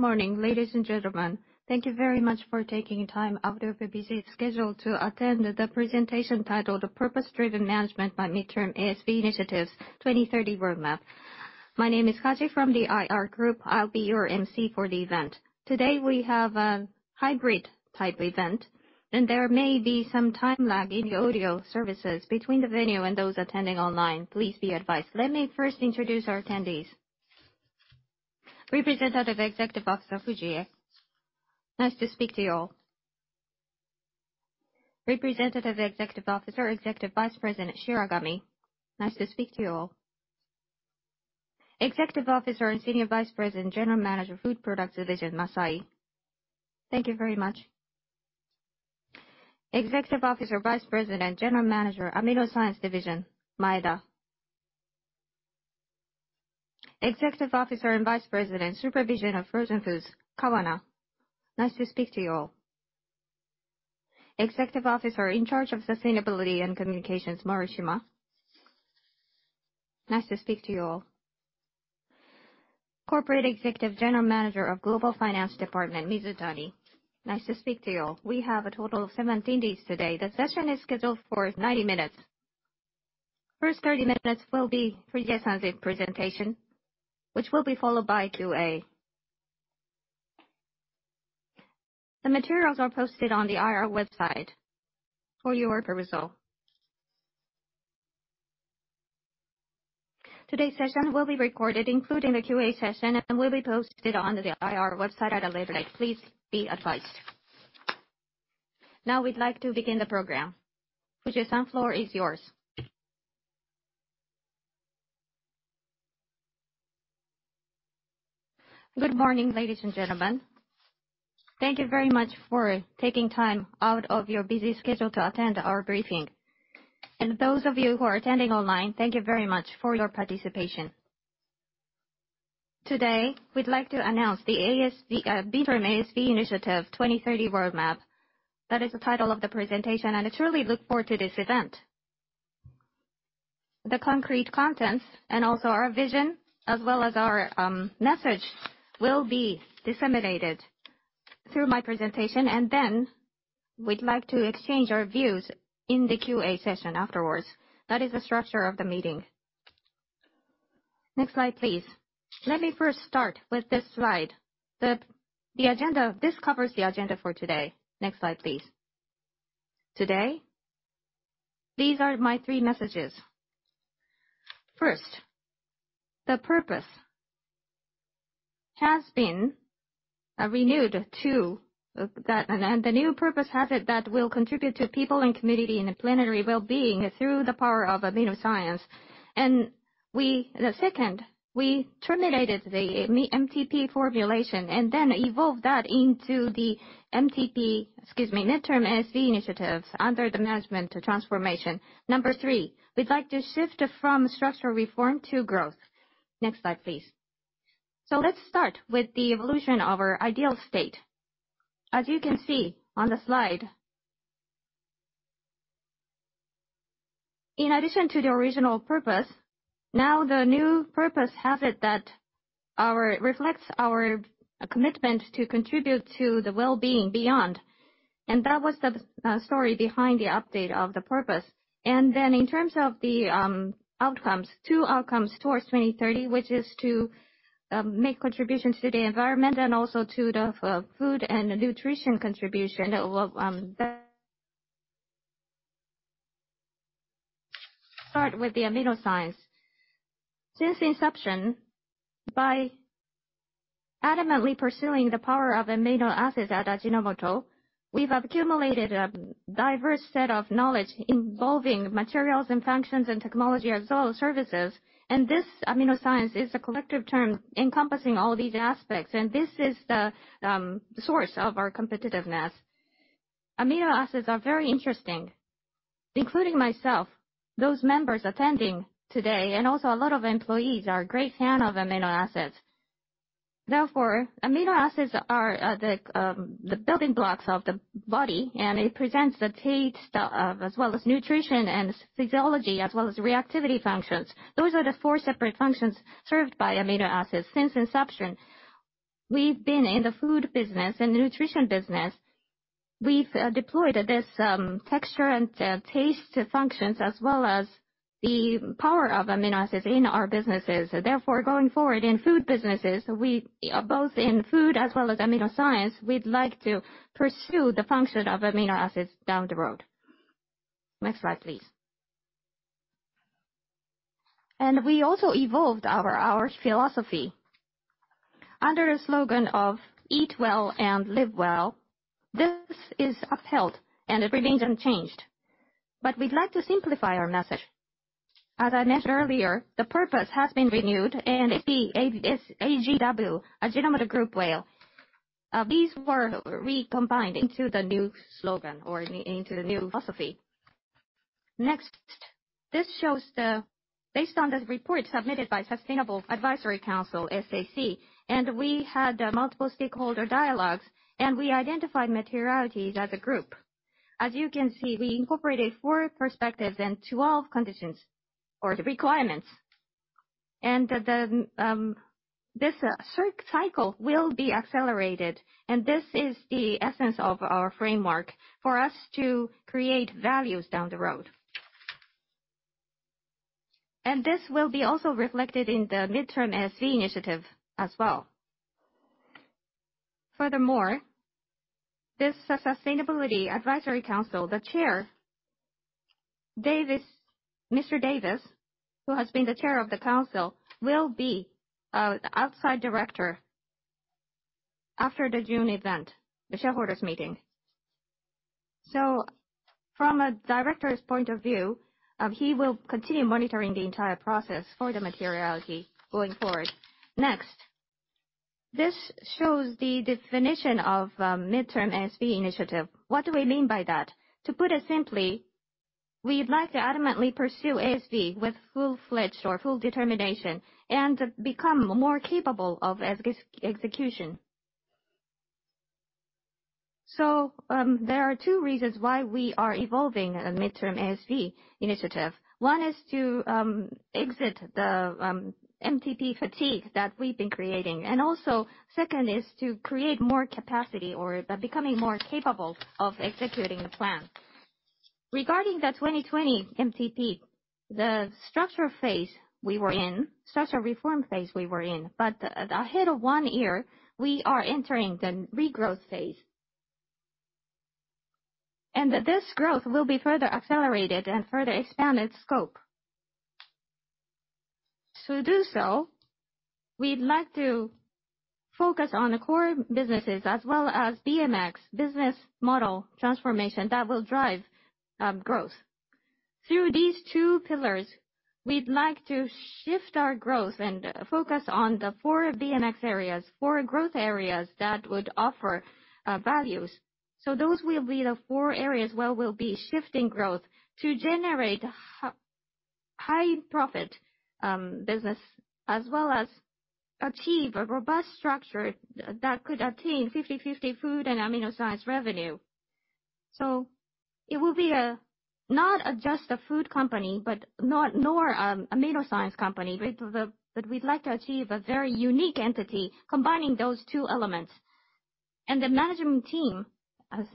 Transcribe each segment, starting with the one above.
Good morning, ladies and gentlemen. Thank you very much for taking time out of your busy schedule to attend the presentation titled, The Purpose Driven Management by Midterm ASV Initiatives 2030 Roadmap. My name is Kaji from the IR group. I'll be your emcee for the event. Today, we have a hybrid type event, and there may be some time lag in the audio services between the venue and those attending online. Please be advised. Let me first introduce our attendees. Representative Executive Officer Fujie. Nice to speak to you all. Representative Executive Officer, Executive Vice President Shiragami. Nice to speak to you all. Executive Officer and Senior Vice President, General Manager, Food Products Division, Masayi. Thank you very much. Executive Officer, Vice President, General Manager, AminoScience Division, Maeda. Executive Officer and Vice President, Supervision of Frozen Foods, Kawana. Nice to speak to you all. Executive Officer in charge of Sustainability and Communications, Morishima. Nice to speak to you all. Corporate Executive General Manager of Global Finance Department, Mizutani. Nice to speak to you all. We have a total of 17 attendees today. The session is scheduled for 90 minutes. First 30 minutes will be Fujii-san's presentation, which will be followed by QA. The materials are posted on the IR website for your perusal. Today's session will be recorded, including the QA session, and will be posted on the IR website at a later date. Please be advised. Now we'd like to begin the program. Fujii-san, floor is yours. Good morning, ladies and gentlemen. Thank you very much for taking time out of your busy schedule to attend our briefing. Those of you who are attending online, thank you very much for your participation. Today, we'd like to announce the Midterm ASV Initiative 2030 Roadmap. That is the title of the presentation, and I truly look forward to this event. The concrete contents and also our vision, as well as our message, will be disseminated through my presentation, and then we'd like to exchange our views in the QA session afterwards. That is the structure of the meeting. Next slide, please. Let me first start with this slide. This covers the agenda for today. Next slide, please. Today, these are my three messages. First, the purpose has been renewed to, and the new purpose has it that we'll contribute to people and community and planetary well-being through the power of AminoScience. Second, we terminated the MTP formulation and then evolved that into the MTP, excuse me, Midterm ASV Initiative under the management transformation. Number three, we'd like to shift from structural reform to growth. Next slide, please. Let's start with the evolution of our ideal state. As you can see on the slide, in addition to the original purpose, now the new purpose has it that reflects our commitment to contribute to the well-being beyond. That was the story behind the update of the purpose. Then in terms of the outcomes, two outcomes towards 2030, which is to make contributions to the environment and also to the food and nutrition contribution of. Start with the AminoScience. Since inception, by adamantly pursuing the power of amino acids at Ajinomoto, we've accumulated a diverse set of knowledge involving materials in functions and technology as well as services, and this AminoScience is a collective term encompassing all these aspects. This is the source of our competitiveness. Amino acids are very interesting. Including myself, those members attending today, a lot of employees are a great fan of amino acids. Amino acids are the building blocks of the body, and it presents the taste, as well as nutrition and physiology, as well as reactivity functions. Those are the four separate functions served by amino acids. Since inception, we've been in the food business and nutrition business. We've deployed this texture and taste functions as well as the power of amino acids in our businesses. Going forward in food businesses, both in food as well as AminoScience, we'd like to pursue the function of amino acids down the road. Next slide, please. We also evolved our philosophy. Under a slogan of Eat Well and Live Well, this is upheld and it remains unchanged. We'd like to simplify our message. As I mentioned earlier, the purpose has been renewed and it's the AGW, Ajinomoto Group Way. These were recombined into the new slogan or into the new philosophy. Next. This shows based on the report submitted by Sustainability Advisory Council, SAC. We had multiple stakeholder dialogues, and we identified materiality as a group. As you can see, we incorporated four perspectives and 12 conditions or the requirements. This cycle will be accelerated, and this is the essence of our framework for us to create values down the road. This will be also reflected in the midterm ASV initiative as well. Furthermore, this Sustainability Advisory Council, the chair, Mr. Davis, who has been the chair of the council, will be the outside director after the June event, the shareholders meeting. From a director's point of view, he will continue monitoring the entire process for the materiality going forward. Next. This shows the definition of midterm ASV initiative. What do we mean by that? To put it simply, we'd like to adamantly pursue ASV with full-fledged or full determination and become more capable of execution. There are two reasons why we are evolving a midterm ASV initiative. One is to exit the MTP fatigue that we've been creating. Second is to create more capacity or becoming more capable of executing the plan. Regarding the 2020 MTP, the structure phase we were in, structure reform phase we were in. Ahead of one year, we are entering the regrowth phase. This growth will be further accelerated and further expand its scope. To do so, we'd like to focus on the core businesses as well as BMX, Business Model Transformation, that will drive growth. Through these two pillars, we'd like to shift our growth and focus on the four BMX areas, four growth areas that would offer values. Those will be the four areas where we'll be shifting growth to generate high profit business, as well as achieve a robust structure that could attain 50/50 food and AminoScience revenue. It will be not just a food company, nor an AminoScience company, but we'd like to achieve a very unique entity combining those two elements. The management team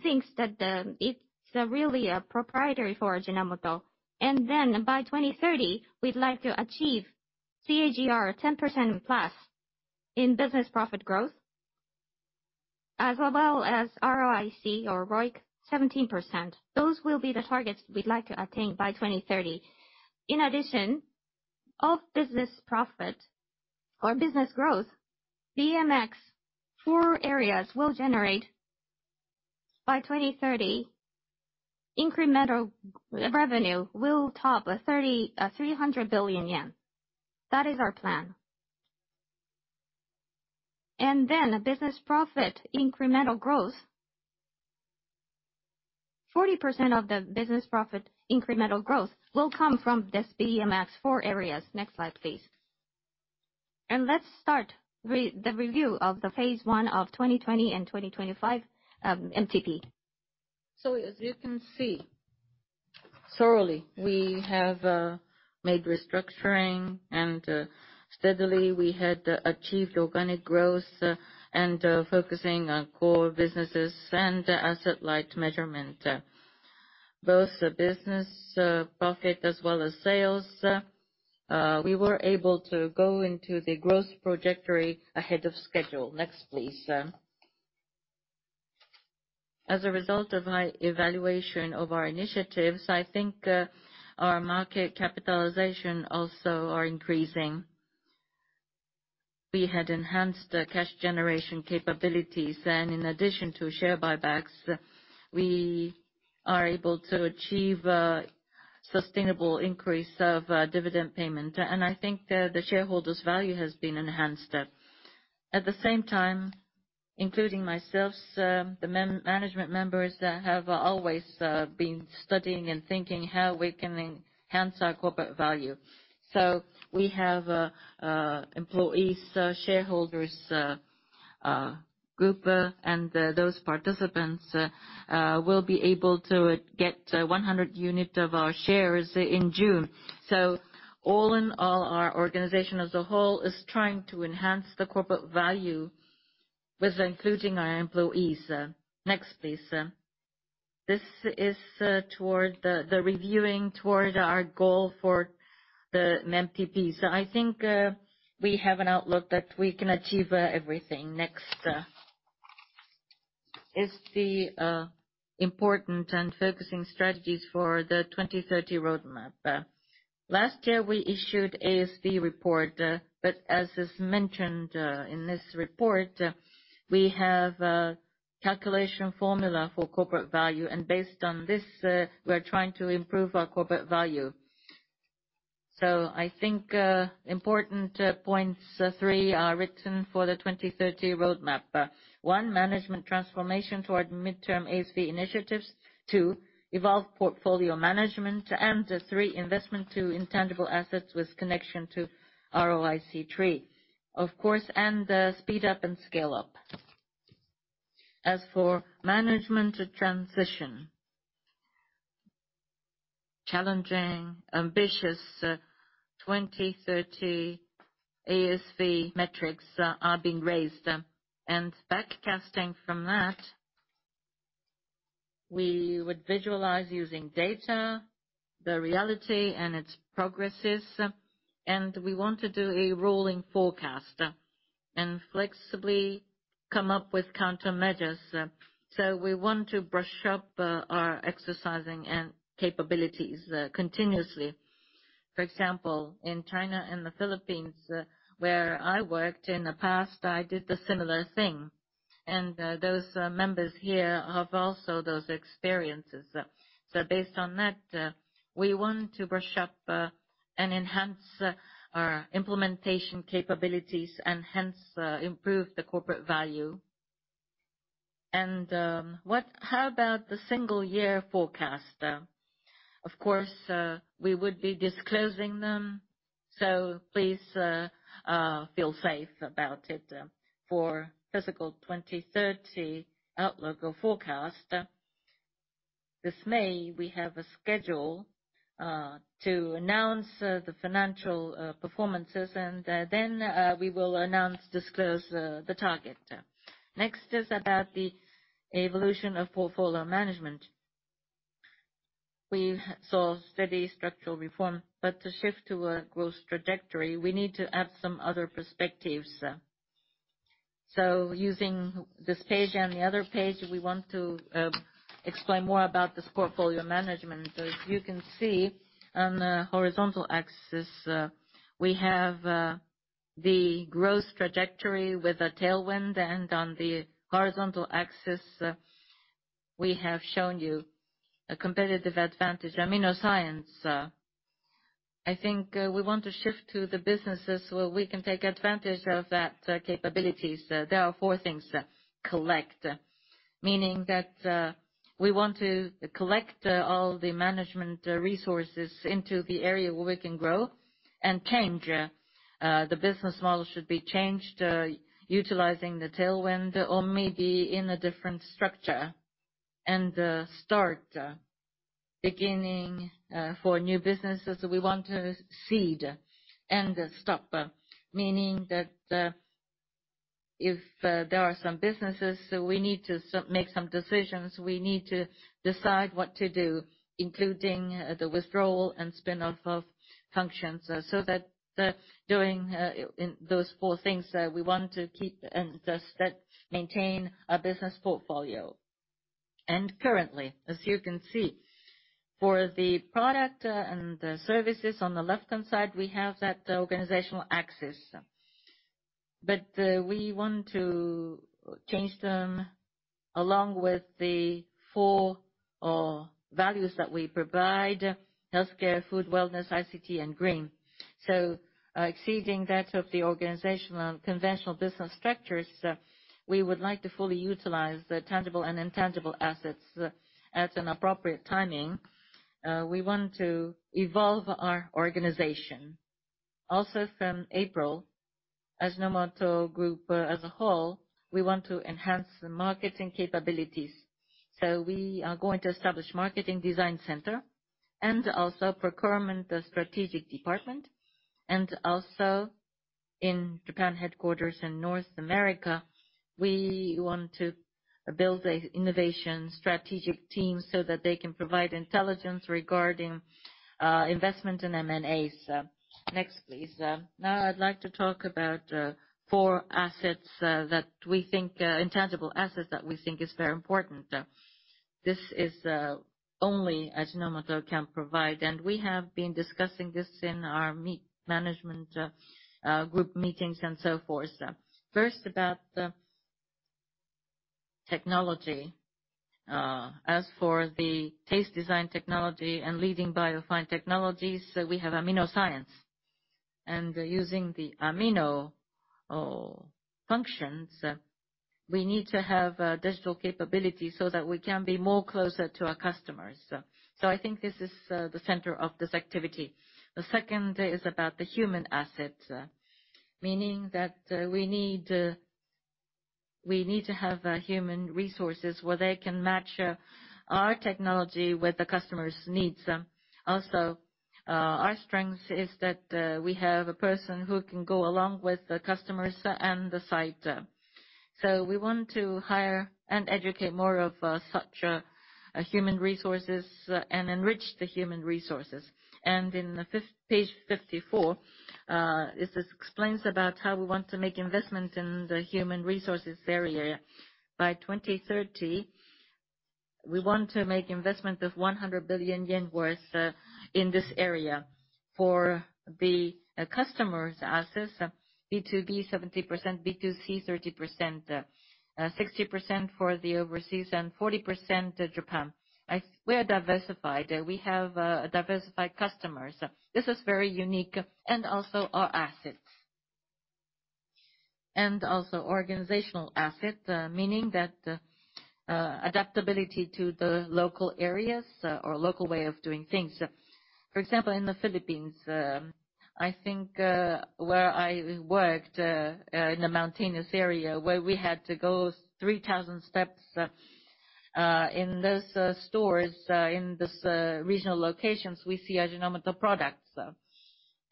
thinks that it's really a proprietary for Ajinomoto. By 2030, we'd like to achieve CAGR 10%+ in business profit growth, as well as ROIC or ROIC 17%. Those will be the targets we'd like to attain by 2030. In addition, of business profit or business growth, BMX core areas will generate by 2030, incremental revenue will top 300 billion yen. That is our plan. Business profit incremental growth. 40% of the business profit incremental growth will come from these BMX 4 areas. Next slide, please. Let's start the review of the phase 1 of 2020 and 2025 MTP. As you can see, thoroughly, we have made restructuring and steadily we had achieved organic growth and focusing on core businesses and asset light measurement. Both business profit as well as sales, we were able to go into the growth trajectory ahead of schedule. Next, please. As a result of high evaluation of our initiatives, I think our market capitalization also are increasing. We had enhanced cash generation capabilities, in addition to share buybacks, we are able to achieve a sustainable increase of dividend payment. I think the shareholders' value has been enhanced. At the same time, including myself, the management members have always been studying and thinking how we can enhance our corporate value. We have employees, shareholders, group, and those participants will be able to get 100 units of our shares in June. All in all, our organization as a whole is trying to enhance the corporate value with including our employees. Next, please. This is the reviewing toward our goal for the MTP. I think we have an outlook that we can achieve everything. Next. Is the important and focusing strategies for the 2030 roadmap. Last year, we issued ASV report. As is mentioned in this report, we have a calculation formula for corporate value. Based on this, we're trying to improve our corporate value. I think important points 3 are written for the 2030 roadmap. One, management transformation toward midterm ASV initiatives. Two, evolve portfolio management. Three, investment to intangible assets with connection to ROIC3, of course, and speed up and scale up. As for management transition Challenging, ambitious, 2030 ASV metrics are being raised. Back casting from that, we would visualize using data, the reality and its progresses, we want to do a rolling forecast, and flexibly come up with countermeasures. We want to brush up our exercising and capabilities continuously. For example, in China and the Philippines, where I worked in the past, I did a similar thing. Those members here have also those experiences. Based on that, we want to brush up and enhance our implementation capabilities and hence improve the corporate value. How about the single year forecast? Of course, we would be disclosing them, so please feel safe about it. For fiscal 2030 outlook or forecast, this May, we have a schedule to announce the financial performances. We will announce, disclose the target. Next is about the evolution of portfolio management. We saw steady structural reform, but to shift to a growth trajectory, we need to add some other perspectives. Using this page and the other page, we want to explain more about this portfolio management. As you can see on the horizontal axis, we have the growth trajectory with a tailwind, and on the horizontal axis, we have shown you a competitive advantage. AminoScience. I think we want to shift to the businesses where we can take advantage of that capabilities. There are four things. Collect, meaning that we want to collect all the management resources into the area where we can grow. Change, the business model should be changed utilizing the tailwind or maybe in a different structure. Start, beginning for new businesses, we want to seed. Stop, meaning that if there are some businesses, we need to make some decisions. We need to decide what to do, including the withdrawal and spin-off of functions. Doing those four things, we want to keep and maintain our business portfolio. Currently, as you can see, for the product and the services on the left-hand side, we have that organizational axis. We want to change them along with the four values that we provide, healthcare, food, wellness, ICT, and green. Exceeding that of the organizational conventional business structures, we would like to fully utilize the tangible and intangible assets at an appropriate timing. We want to evolve our organization. Also from April, Ajinomoto Group as a whole, we want to enhance the marketing capabilities. We are going to establish Marketing Design Center and also procurement strategic department. In Japan headquarters and North America, we want to build an innovation strategic team so that they can provide intelligence regarding investment in M&As. Next, please. Now I'd like to talk about four intangible assets that we think is very important. This is only Ajinomoto can provide, and we have been discussing this in our management group meetings and so forth. First, about the technology. As for the taste design technology and leading bio fine technologies, we have AminoScience. Using the amino functions, we need to have digital capability so that we can be more closer to our customers. I think this is the center of this activity. The second is about the human asset, meaning that we need to have human resources where they can match our technology with the customers' needs. Also, our strength is that we have a person who can go along with the customers and the site. We want to hire and educate more of such human resources and enrich the human resources. In page 54, this explains about how we want to make investment in the human resources area. By 2030, we want to make investment of 100 billion yen worth in this area. For the customers' assets, B2B 70%, B2C 30%. 60% for the overseas and 40% Japan. We are diversified. We have diversified customers. This is very unique. Our assets. Organizational asset, meaning that adaptability to the local areas or local way of doing things. For example, in the Philippines, I think where I worked in the mountainous area where we had to go 3,000 steps, in those stores, in those regional locations, we see Ajinomoto products.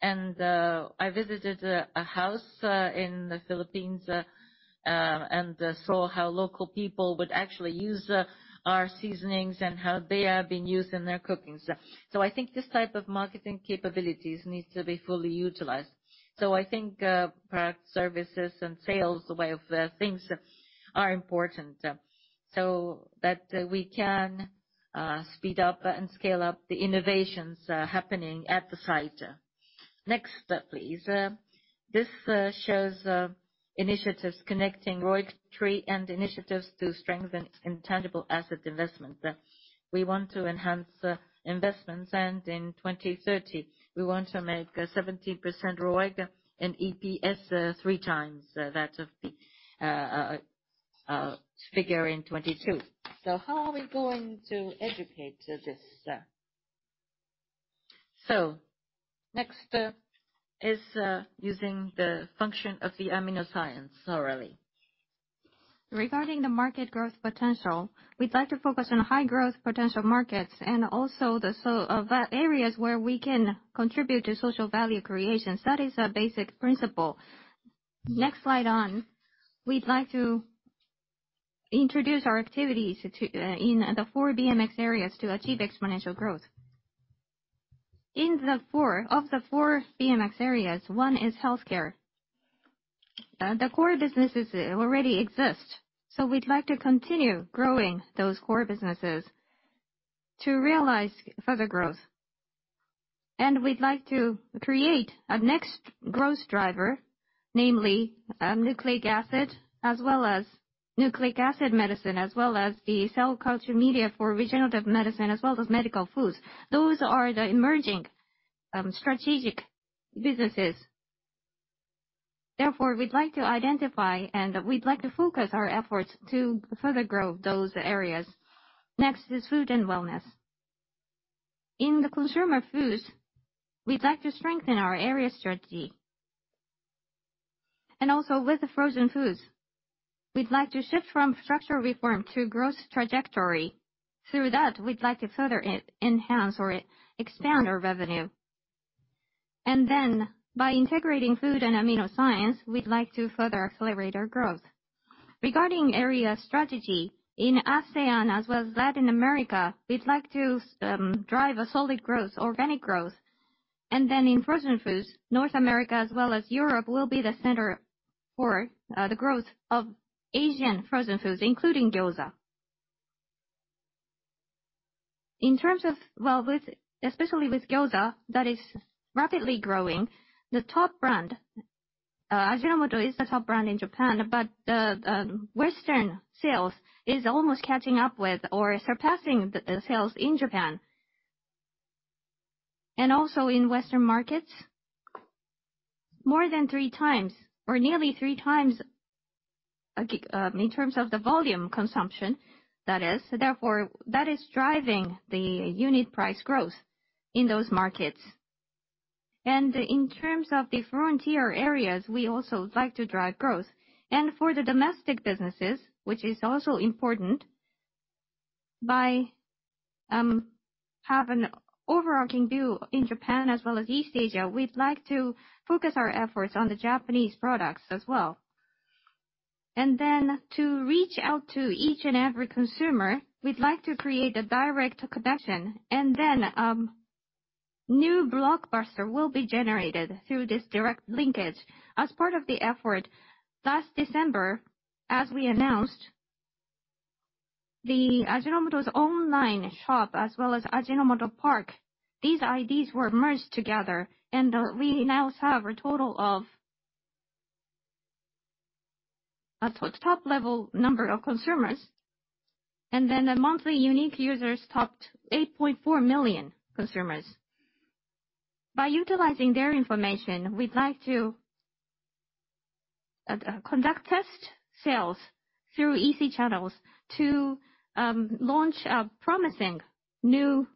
I visited a house in the Philippines and saw how local people would actually use our seasonings and how they have been used in their cooking. I think this type of marketing capabilities needs to be fully utilized. I think product services and sales way of things are important so that we can speed up and scale up the innovations happening at the site. Next slide, please. This shows initiatives connecting ROIC Tree and initiatives to strengthen intangible asset investment. We want to enhance investments, and in 2030 we want to make a 17% ROIC and EPS three times that of the figure in 2022. How are we going to educate this? Next is using the function of the AminoScience thoroughly. Regarding the market growth potential, we'd like to focus on high growth potential markets and also the areas where we can contribute to social value creation. That is a basic principle. Next slide on. We'd like to introduce our activities in the four BMX areas to achieve exponential growth. Of the four BMX areas, one is healthcare. The core businesses already exist, so we'd like to continue growing those core businesses to realize further growth. We'd like to create a next growth driver, namely nucleic acid, as well as nucleic acid medicine, as well as the cell culture media for regenerative medicine, as well as medical foods. Those are the emerging strategic businesses. Therefore, we'd like to identify and we'd like to focus our efforts to further grow those areas. Next is food and wellness. In the consumer foods, we'd like to strengthen our area strategy. Also with the frozen foods, we'd like to shift from structural reform to growth trajectory. Through that, we'd like to further enhance or expand our revenue. By integrating food and AminoScience, we'd like to further accelerate our growth. Regarding area strategy in ASEAN as well as Latin America, we'd like to drive a solid growth, organic growth. In frozen foods, North America as well as Europe will be the center for the growth of Asian frozen foods, including Gyoza. Especially with Gyoza, that is rapidly growing. Ajinomoto is the top brand in Japan, but the Western sales is almost catching up with or surpassing the sales in Japan. Also in Western markets, more than three times or nearly three times in terms of the volume consumption, that is. Therefore, that is driving the unit price growth in those markets. In terms of the frontier areas, we also like to drive growth. For the domestic businesses, which is also important, by have an overarching view in Japan as well as East Asia, we'd like to focus our efforts on the Japanese products as well. To reach out to each and every consumer, we'd like to create a direct connection. New blockbuster will be generated through this direct linkage as part of the effort. Last December, as we announced, the Ajinomoto's online shop as well as AJINOMOTO PARK, these IDs were merged together, and we now have a total of a top-level number of consumers, and the monthly unique users topped 8.4 million consumers. By utilizing their information, we'd like to conduct test sales through easy channels to launch promising new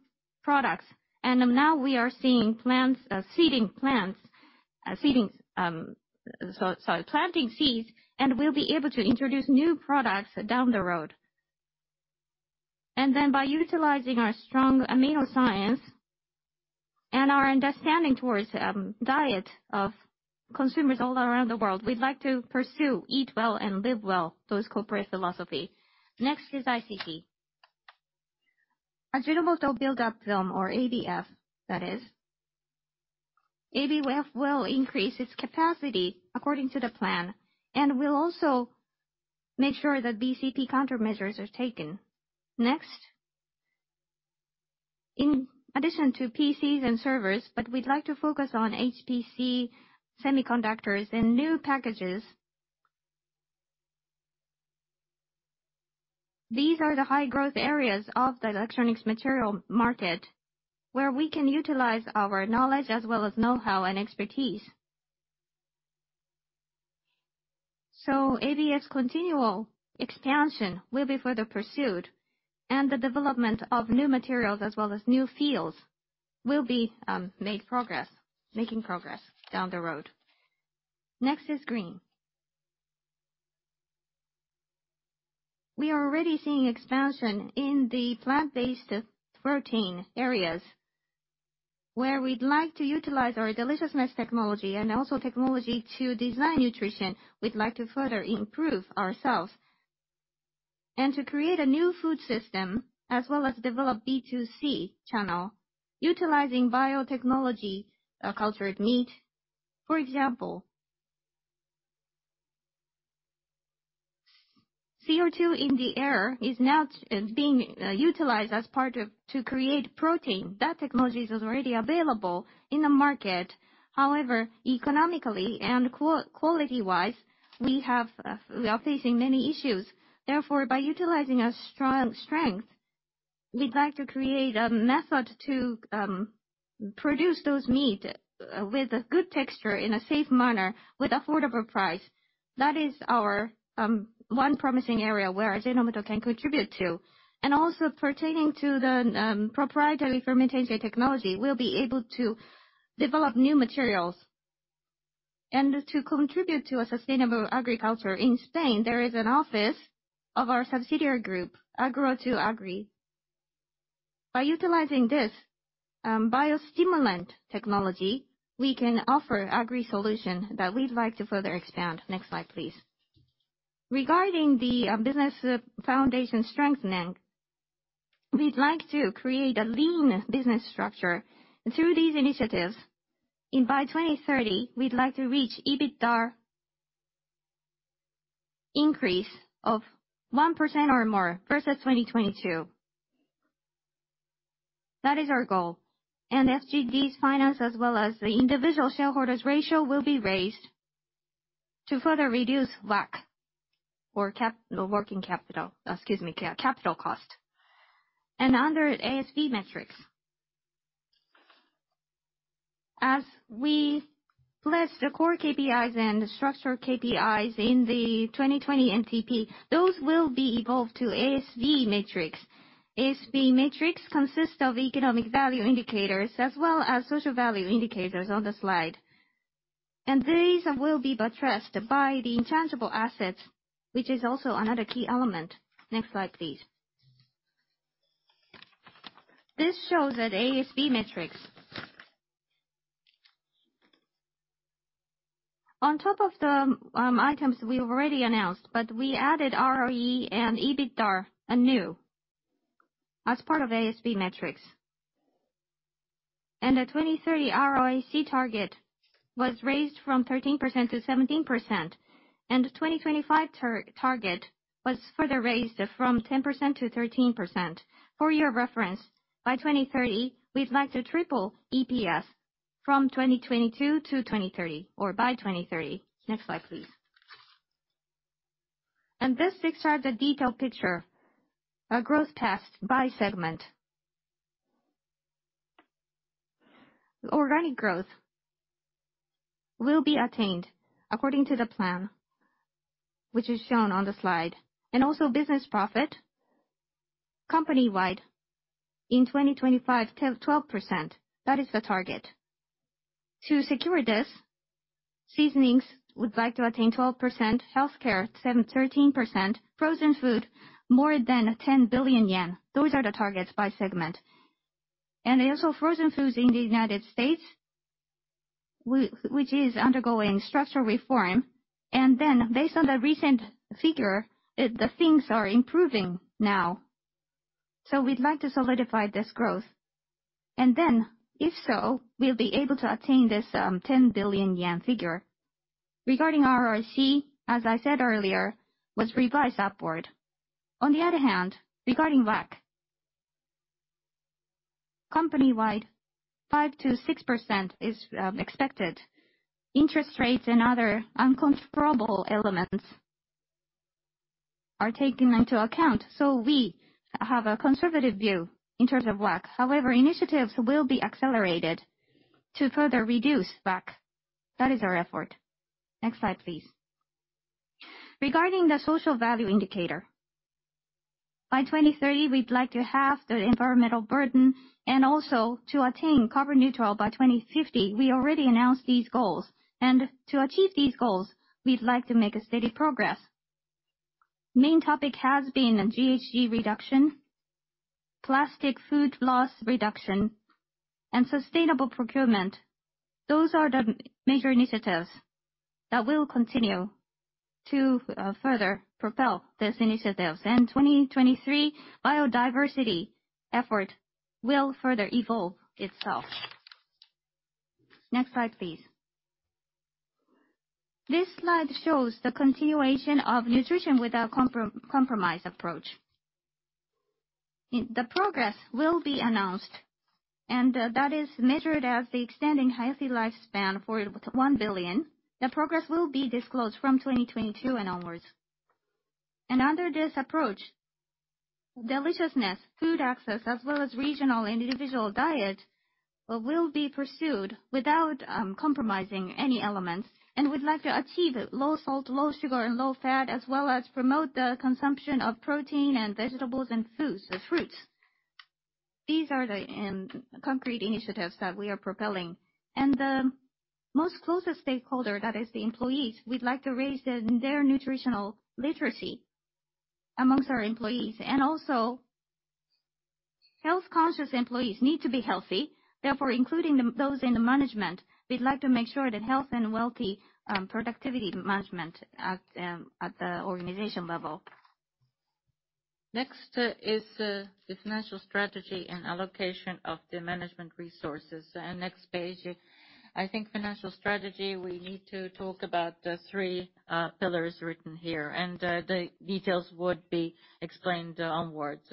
products. Now we are seeing planting seeds, and we'll be able to introduce new products down the road. By utilizing our strong AminoScience and our understanding towards diet of consumers all around the world, we'd like to pursue Eat Well and Live Well, those corporate philosophy. Next is ICT. Ajinomoto Build-up Film or ABF, that is. ABF will increase its capacity according to the plan, and we'll also make sure that BCP countermeasures are taken. Next. In addition to PCs and servers, but we'd like to focus on HPC, semiconductors, and new packages. These are the high growth areas of the electronics material market where we can utilize our knowledge as well as know-how and expertise. ABF continual expansion will be further pursued, and the development of new materials as well as new fields will be making progress down the road. Next is green. We are already seeing expansion in the plant-based protein areas, where we'd like to utilize our deliciousness technology and also technology to design nutrition. We'd like to further improve ourselves, and to create a new food system, as well as develop B2C channel utilizing biotechnology, cultured meat, for example. CO2 in the air is now being utilized as part to create protein. That technology is already available in the market. However, economically and quality-wise, we are facing many issues. Therefore, by utilizing our strength, we'd like to create a method to produce those meat with a good texture in a safe manner with affordable price. That is our one promising area where Ajinomoto can contribute to. Pertaining to the proprietary fermentation technology, we'll be able to develop new materials and to contribute to a sustainable agriculture. In Spain, there is an office of our subsidiary group, Agro2Agri. By utilizing this biostimulant technology, we can offer agri solution that we'd like to further expand. Next slide, please. Regarding the business foundation strengthening, we'd like to create a lean business structure through these initiatives. By 2030, we'd like to reach EBITDA increase of 1% or more versus 2022. That is our goal. SGD's finance as well as the individual shareholders' ratio will be raised to further reduce WACC or capital cost. Under ASV metrics, as we list the core KPIs and the structural KPIs in the 2020 MTP, those will be evolved to ASV metrics. ASV metrics consist of economic value indicators as well as social value indicators on the slide. These will be buttressed by the intangible assets, which is also another key element. Next slide, please. This shows the ASV metrics. On top of the items we already announced, but we added ROE and EBITDA anew as part of ASV metrics. The 2030 ROIC target was raised from 13% to 17%, and 2025 target was further raised from 10% to 13%. For your reference, by 2030, we'd like to triple EPS from 2022 to 2030 or by 2030. Next slide, please. This describes the detailed picture, a growth test by segment. Organic growth will be attained according to the plan, which is shown on the slide. Business profit company-wide in 2025, 12%. That is the target. To secure this, seasonings would like to attain 12%, healthcare 13%, frozen food more than 10 billion yen. Those are the targets by segment. Frozen foods in the U.S., which is undergoing structural reform. Based on the recent figure, things are improving now. We would like to solidify this growth. If so, we will be able to attain this 10 billion yen figure. Regarding ROIC, as I said earlier, was revised upward. On the other hand, regarding WACC, company-wide 5%-6% is expected. Interest rates and other uncontrollable elements are taken into account. We have a conservative view in terms of WACC. However, initiatives will be accelerated to further reduce WACC. That is our effort. Next slide, please. Regarding the social value indicator, by 2030, we would like to halve the environmental burden and also to attain carbon neutral by 2050. We already announced these goals. To achieve these goals, we would like to make a steady progress. Main topic has been GHG reduction, plastic food loss reduction, and sustainable procurement. Those are the major initiatives that will continue to further propel those initiatives. 2023 biodiversity effort will further evolve itself. Next slide, please. This slide shows the continuation of nutrition without compromise approach. The progress will be announced, and that is measured as the extending healthy lifespan for 1 billion. The progress will be disclosed from 2022 and onwards. Under this approach, deliciousness, food access, as well as regional individual diet will be pursued without compromising any elements. We would like to achieve low salt, low sugar, and low fat, as well as promote the consumption of protein and vegetables and foods, fruits. These are the concrete initiatives that we are propelling. The most closest stakeholder, that is the employees, we would like to raise their nutritional literacy amongst our employees. Also, health-conscious employees need to be healthy. Therefore, including those in the management, we would like to make sure that health and wealthy productivity management at the organization level. Next is the financial strategy and allocation of the management resources. Next page. I think financial strategy, we need to talk about the three pillars written here, and the details would be explained onwards.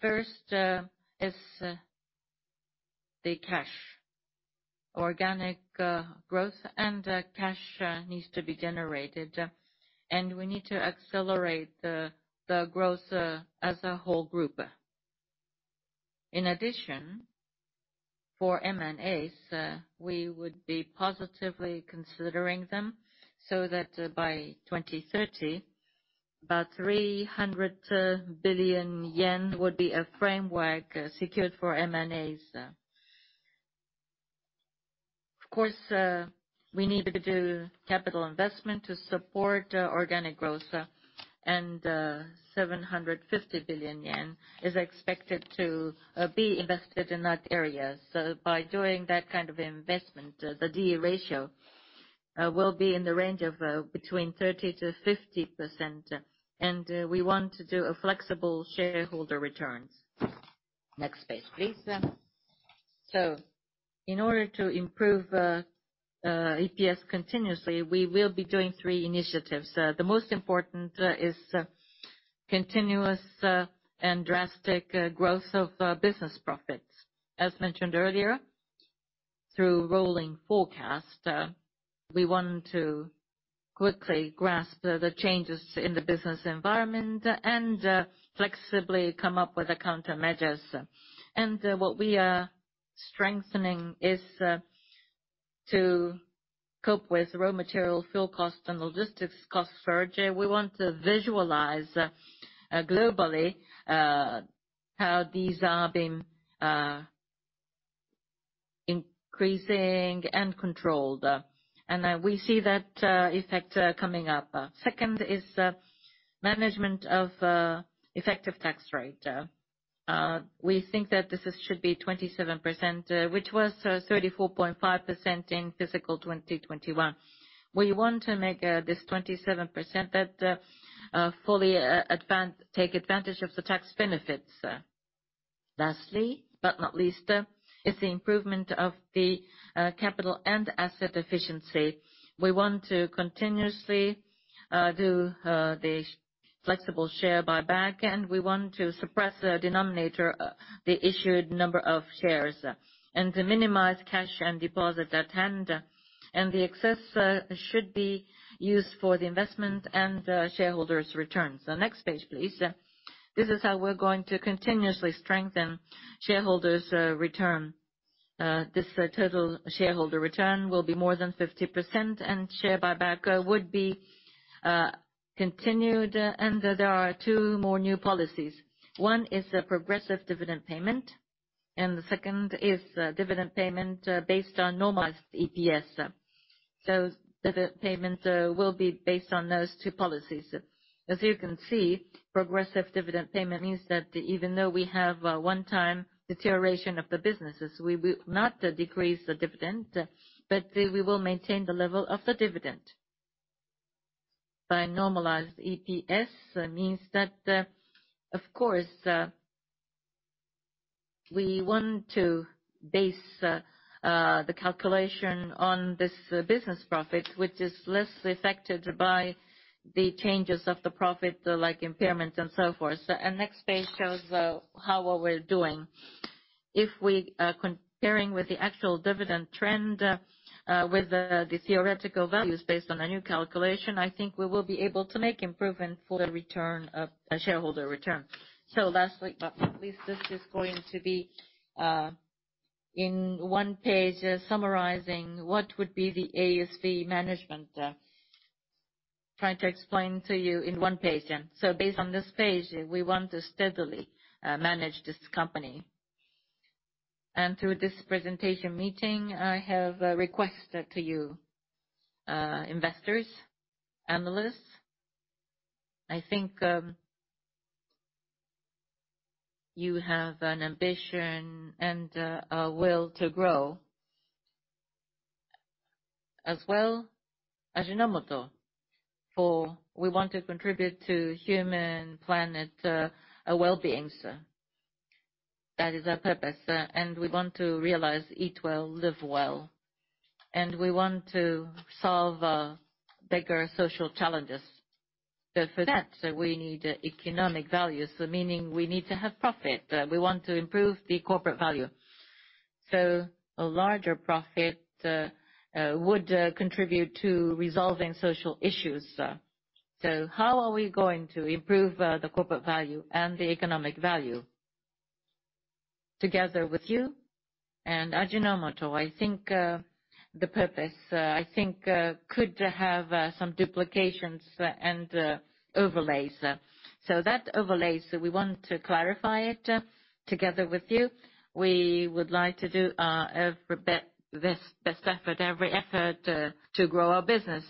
First is the cash. Organic growth and cash needs to be generated, and we need to accelerate the growth as a whole group. In addition, for M&As, we would be positively considering them, so that by 2030, about 300 billion yen would be a framework secured for M&As. Of course, we need to do capital investment to support organic growth, and 750 billion yen is expected to be invested in that area. By doing that kind of investment, the D/E ratio will be in the range of between 30%-50%, and we want to do a flexible shareholder returns. Next page, please. In order to improve EPS continuously, we will be doing three initiatives. The most important is continuous and drastic growth of business profits. As mentioned earlier, through rolling forecast, we want to quickly grasp the changes in the business environment and flexibly come up with countermeasures. What we are strengthening is to cope with raw material, fuel cost, and logistics cost surge. We want to visualize globally how these are being increasing and controlled. We see that effect coming up. Second is management of effective tax rate. We think that this should be 27%, which was 34.5% in fiscal 2021. We want to make this 27% that fully take advantage of the tax benefits. Lastly, but not least, is the improvement of the capital and asset efficiency. We want to continuously do the flexible share buyback, and we want to suppress the denominator, the issued number of shares, and to minimize cash and deposit at hand, and the excess should be used for the investment and shareholder's returns. Next page, please. This is how we're going to continuously strengthen shareholders' return. This total shareholder return will be more than 50%, and share buyback would be continued. There are two more new policies. One is a progressive dividend payment and the second is dividend payment based on normalized EPS. The payment will be based on those two policies. As you can see, progressive dividend payment means that even though we have a one-time deterioration of the businesses, we will not decrease the dividend, but we will maintain the level of the dividend. By normalized EPS means that, of course, we want to base the calculation on this business profit, which is less affected by the changes of the profit, like impairment and so forth. Next page shows how well we're doing. If we are comparing with the actual dividend trend with the theoretical values based on a new calculation, I think we will be able to make improvement for the return of a shareholder return. Lastly, but not least, this is going to be in one page, summarizing what would be the ASC management. Trying to explain to you in one page. Based on this page, we want to steadily manage this company. Through this presentation meeting, I have a request to you, investors, analysts. I think you have an ambition and a will to grow as well as Ajinomoto, for we want to contribute to human planet well-being. That is our purpose, and we want to realize "eat well, live well," and we want to solve bigger social challenges. For that, we need economic value. Meaning we need to have profit. We want to improve the corporate value. A larger profit would contribute to resolving social issues. How are we going to improve the corporate value and the economic value? Together with you and Ajinomoto, I think the purpose, I think could have some duplications and overlays. That overlays, we want to clarify it together with you. We would like to do our best effort, every effort to grow our business.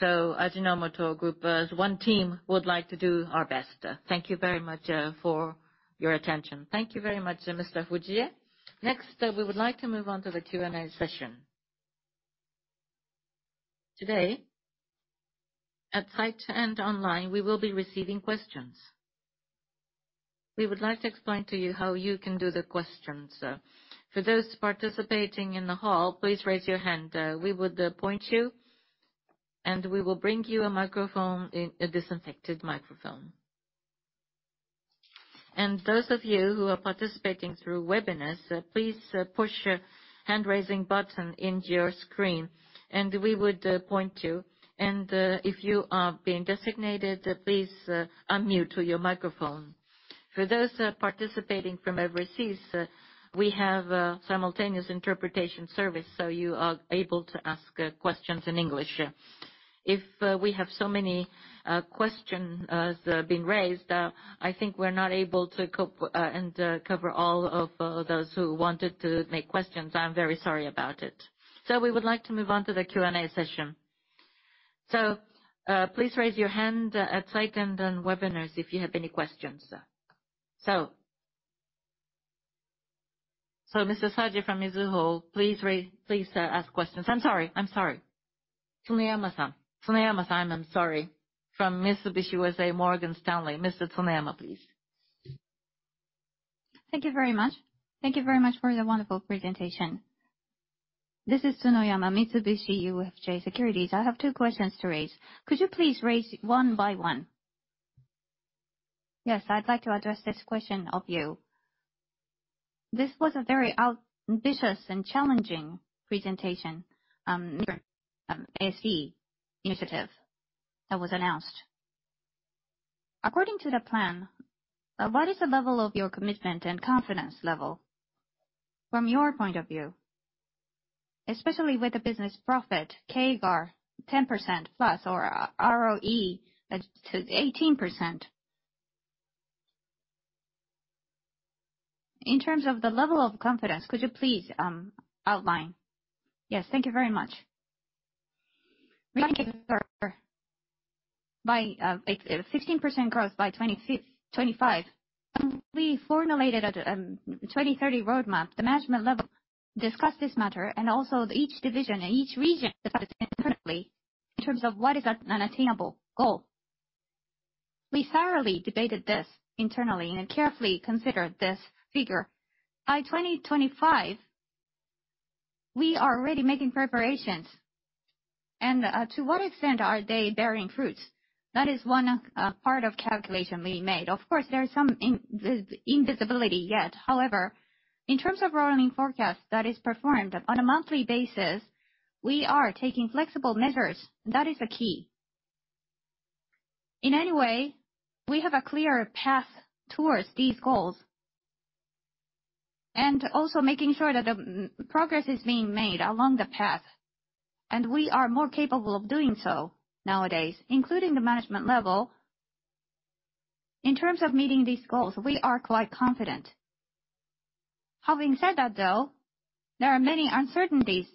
Ajinomoto Group, as one team, would like to do our best. Thank you very much for your attention. Thank you very much, Mr. Fujie. Next, we would like to move on to the Q&A session. Today, at site and online, we will be receiving questions. We would like to explain to you how you can do the questions. For those participating in the hall, please raise your hand. We would point you, we will bring you a disinfected microphone. Those of you who are participating through webinars, please push hand-raising button in your screen, and we would point you. If you are being designated, please unmute your microphone. For those participating from overseas, we have a simultaneous interpretation service, so you are able to ask questions in English. If we have so many questions being raised, I think we are not able to cope and cover all of those who wanted to make questions. I am very sorry about it. We would like to move on to the Q&A session. Please raise your hand at site and on webinars if you have any questions. Mr. Saji from Mizuho, please ask questions. I am sorry. Tsunoyama-san. I am sorry. From Mitsubishi UFJ Morgan Stanley. Mr. Tsunoyama, please. Thank you very much. Thank you very much for the wonderful presentation. This is Tsunoyama, Mitsubishi UFJ Securities. I have two questions to raise. Could you please raise one by one? Yes. I would like to address this question of you. This was a very ambitious and challenging presentation, ASV initiative that was announced. According to the plan, what is the level of your commitment and confidence level from your point of view, especially with the business profit CAGR 10% plus or ROE adjusted 18%? In terms of the level of confidence, could you please outline? Yes. Thank you very much. By 16% growth by 2025, when we formulated a 2030 roadmap, the management level discussed this matter and also each division and each region discussed internally in terms of what is an attainable goal. We thoroughly debated this internally and carefully considered this figure. By 2025, we are already making preparations, and to what extent are they bearing fruits? That is one part of calculation we made. Of course, there is some invisibility yet. However, in terms of rolling forecast that is performed on a monthly basis, we are taking flexible measures. That is the key. In any way, we have a clear path towards these goals and also making sure that progress is being made along the path, and we are more capable of doing so nowadays, including the management level. In terms of meeting these goals, we are quite confident. Having said that, there are many uncertainties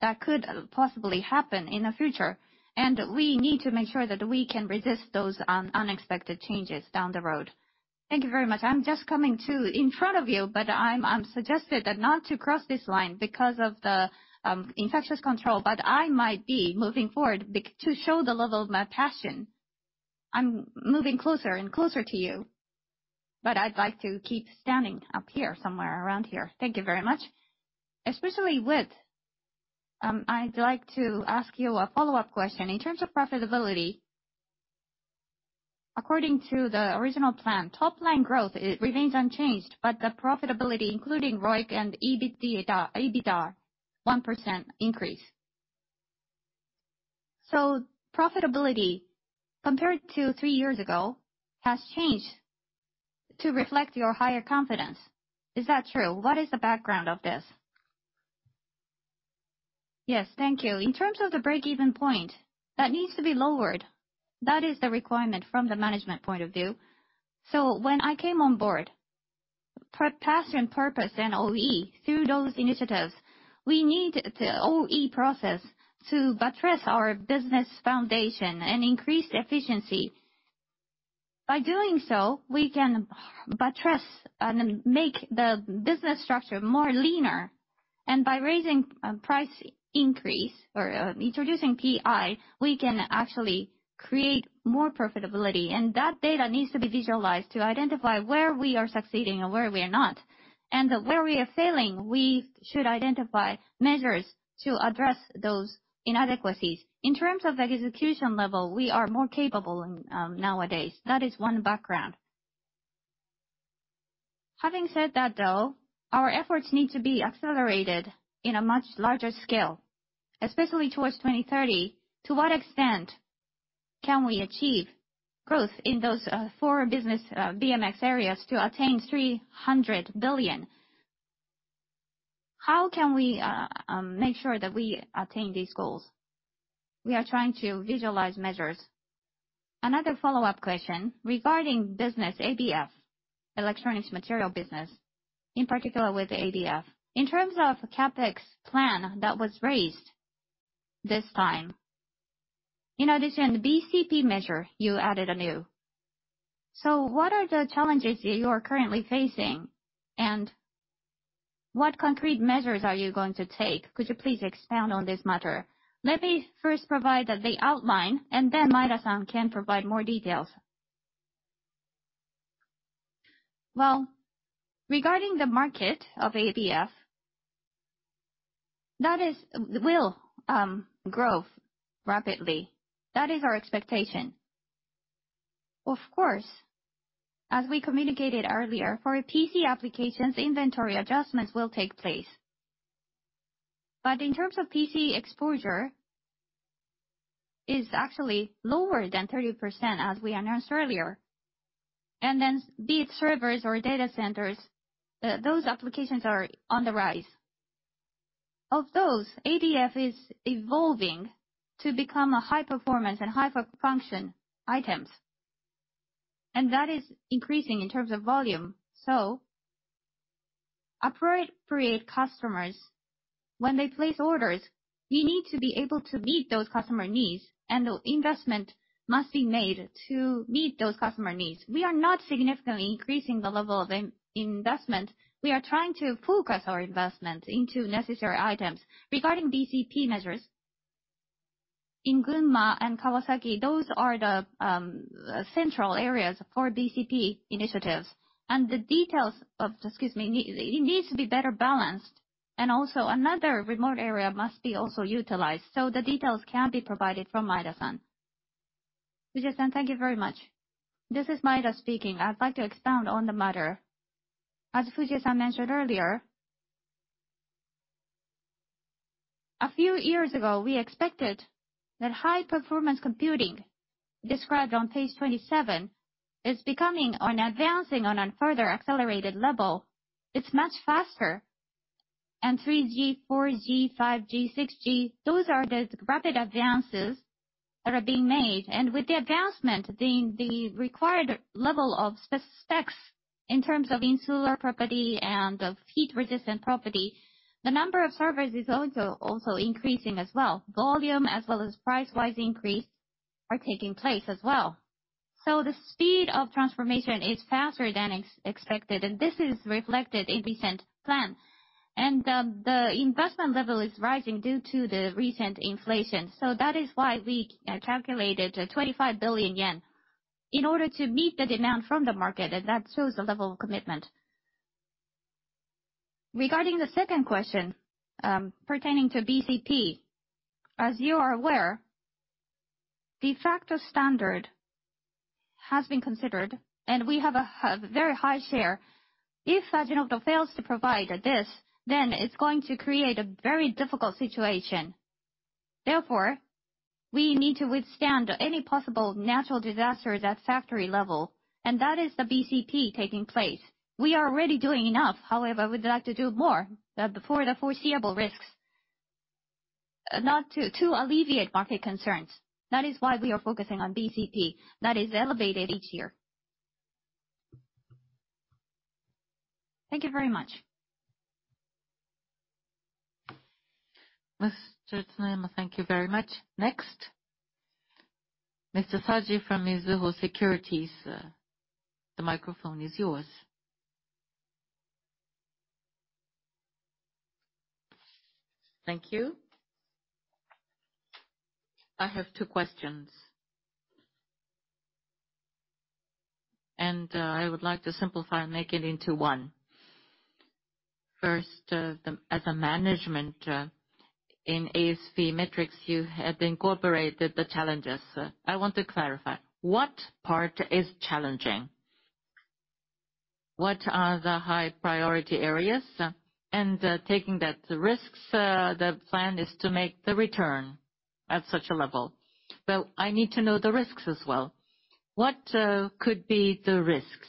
that could possibly happen in the future, and we need to make sure that we can resist those unexpected changes down the road. Thank you very much. I'm just coming to in front of you, I'm suggested that not to cross this line because of the infectious control, I might be moving forward to show the level of my passion. I'm moving closer and closer to you, I'd like to keep standing up here, somewhere around here. Thank you very much. I'd like to ask you a follow-up question. In terms of profitability, according to the original plan, top line growth remains unchanged, but the profitability, including ROIC and EBITDA, one percent increase. Profitability, compared to three years ago, has changed to reflect your higher confidence. Is that true? What is the background of this? Yes. Thank you. In terms of the break-even point, that needs to be lowered. That is the requirement from the management point of view. When I came on board, Passion, Purpose, and OE, through those initiatives, we need the OE process to buttress our business foundation and increase efficiency. By doing so, we can buttress and make the business structure more leaner. By raising price increase or introducing PI, we can actually create more profitability. That data needs to be visualized to identify where we are succeeding and where we are not. Where we are failing, we should identify measures to address those inadequacies. In terms of execution level, we are more capable nowadays. That is one background. Having said that, our efforts need to be accelerated in a much larger scale, especially towards 2030. To what extent can we achieve growth in those four business BMX areas to attain 300 billion? How can we make sure that we attain these goals? We are trying to visualize measures. Another follow-up question regarding business ABF, electronics material business, in particular with ABF. In terms of the CapEx plan that was raised this time, in addition, the BCP measure, you added anew. What are the challenges that you are currently facing, and what concrete measures are you going to take? Could you please expound on this matter? Let me first provide the outline, and then Maeda-san can provide more details. Well, regarding the market of ABF, that will grow rapidly. That is our expectation. Of course, as we communicated earlier, for PC applications, inventory adjustments will take place. In terms of PC exposure, it's actually lower than 30%, as we announced earlier. Be it servers or data centers, those applications are on the rise. Of those, ABF is evolving to become a high-performance and high-function item, and that is increasing in terms of volume. Appropriate customers, when they place orders, we need to be able to meet those customer needs, and the investment must be made to meet those customer needs. We are not significantly increasing the level of investment. We are trying to focus our investment into necessary items. Regarding BCP measures, in Gunma and Kawasaki, those are the central areas for BCP initiatives. The details of, excuse me, it needs to be better balanced. Also, another remote area must be also utilized. The details can be provided from Maeda-san. Fujii-san, thank you very much. This is Maeda speaking. I'd like to expound on the matter. As Fujii-san mentioned earlier, a few years ago, we expected that high-performance computing, described on page 27, is becoming or advancing on a further accelerated level. It's much faster. 3G, 4G, 5G, 6G, those are the rapid advances that are being made. With the advancement, the required level of specs in terms of insular property and of heat-resistant property, the number of servers is also increasing as well. Volume as well as price wise increase are taking place as well. The speed of transformation is faster than expected, and this is reflected in recent plan. The investment level is rising due to the recent inflation. That is why we calculated 25 billion yen in order to meet the demand from the market, and that shows the level of commitment. Regarding the second question pertaining to BCP, as you are aware, de facto standard has been considered, and we have a very high share. If Ajinomoto fails to provide this, then it's going to create a very difficult situation. Therefore, we need to withstand any possible natural disaster at factory level, and that is the BCP taking place. We are already doing enough. However, we'd like to do more before the foreseeable risks, to alleviate market concerns. That is why we are focusing on BCP. That is elevated each year. Thank you very much. Mr. Tsunema, thank you very much. Next, Mr. Saji from Mizuho Securities. The microphone is yours. Thank you. I have two questions. I would like to simplify and make it into one. First, as a management in ASV metrics, you have incorporated the challenges. I want to clarify, what part is challenging? What are the high-priority areas? Taking that risks, the plan is to make the return at such a level. I need to know the risks as well. What could be the risks?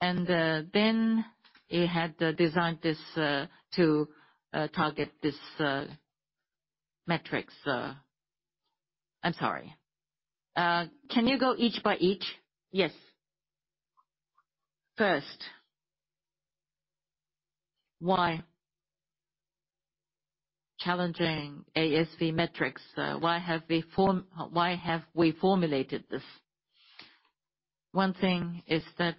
Then you had designed this to target these metrics. I'm sorry. Can you go each by each? Yes. First, why challenging ASV metrics? Why have we formulated this? One thing is that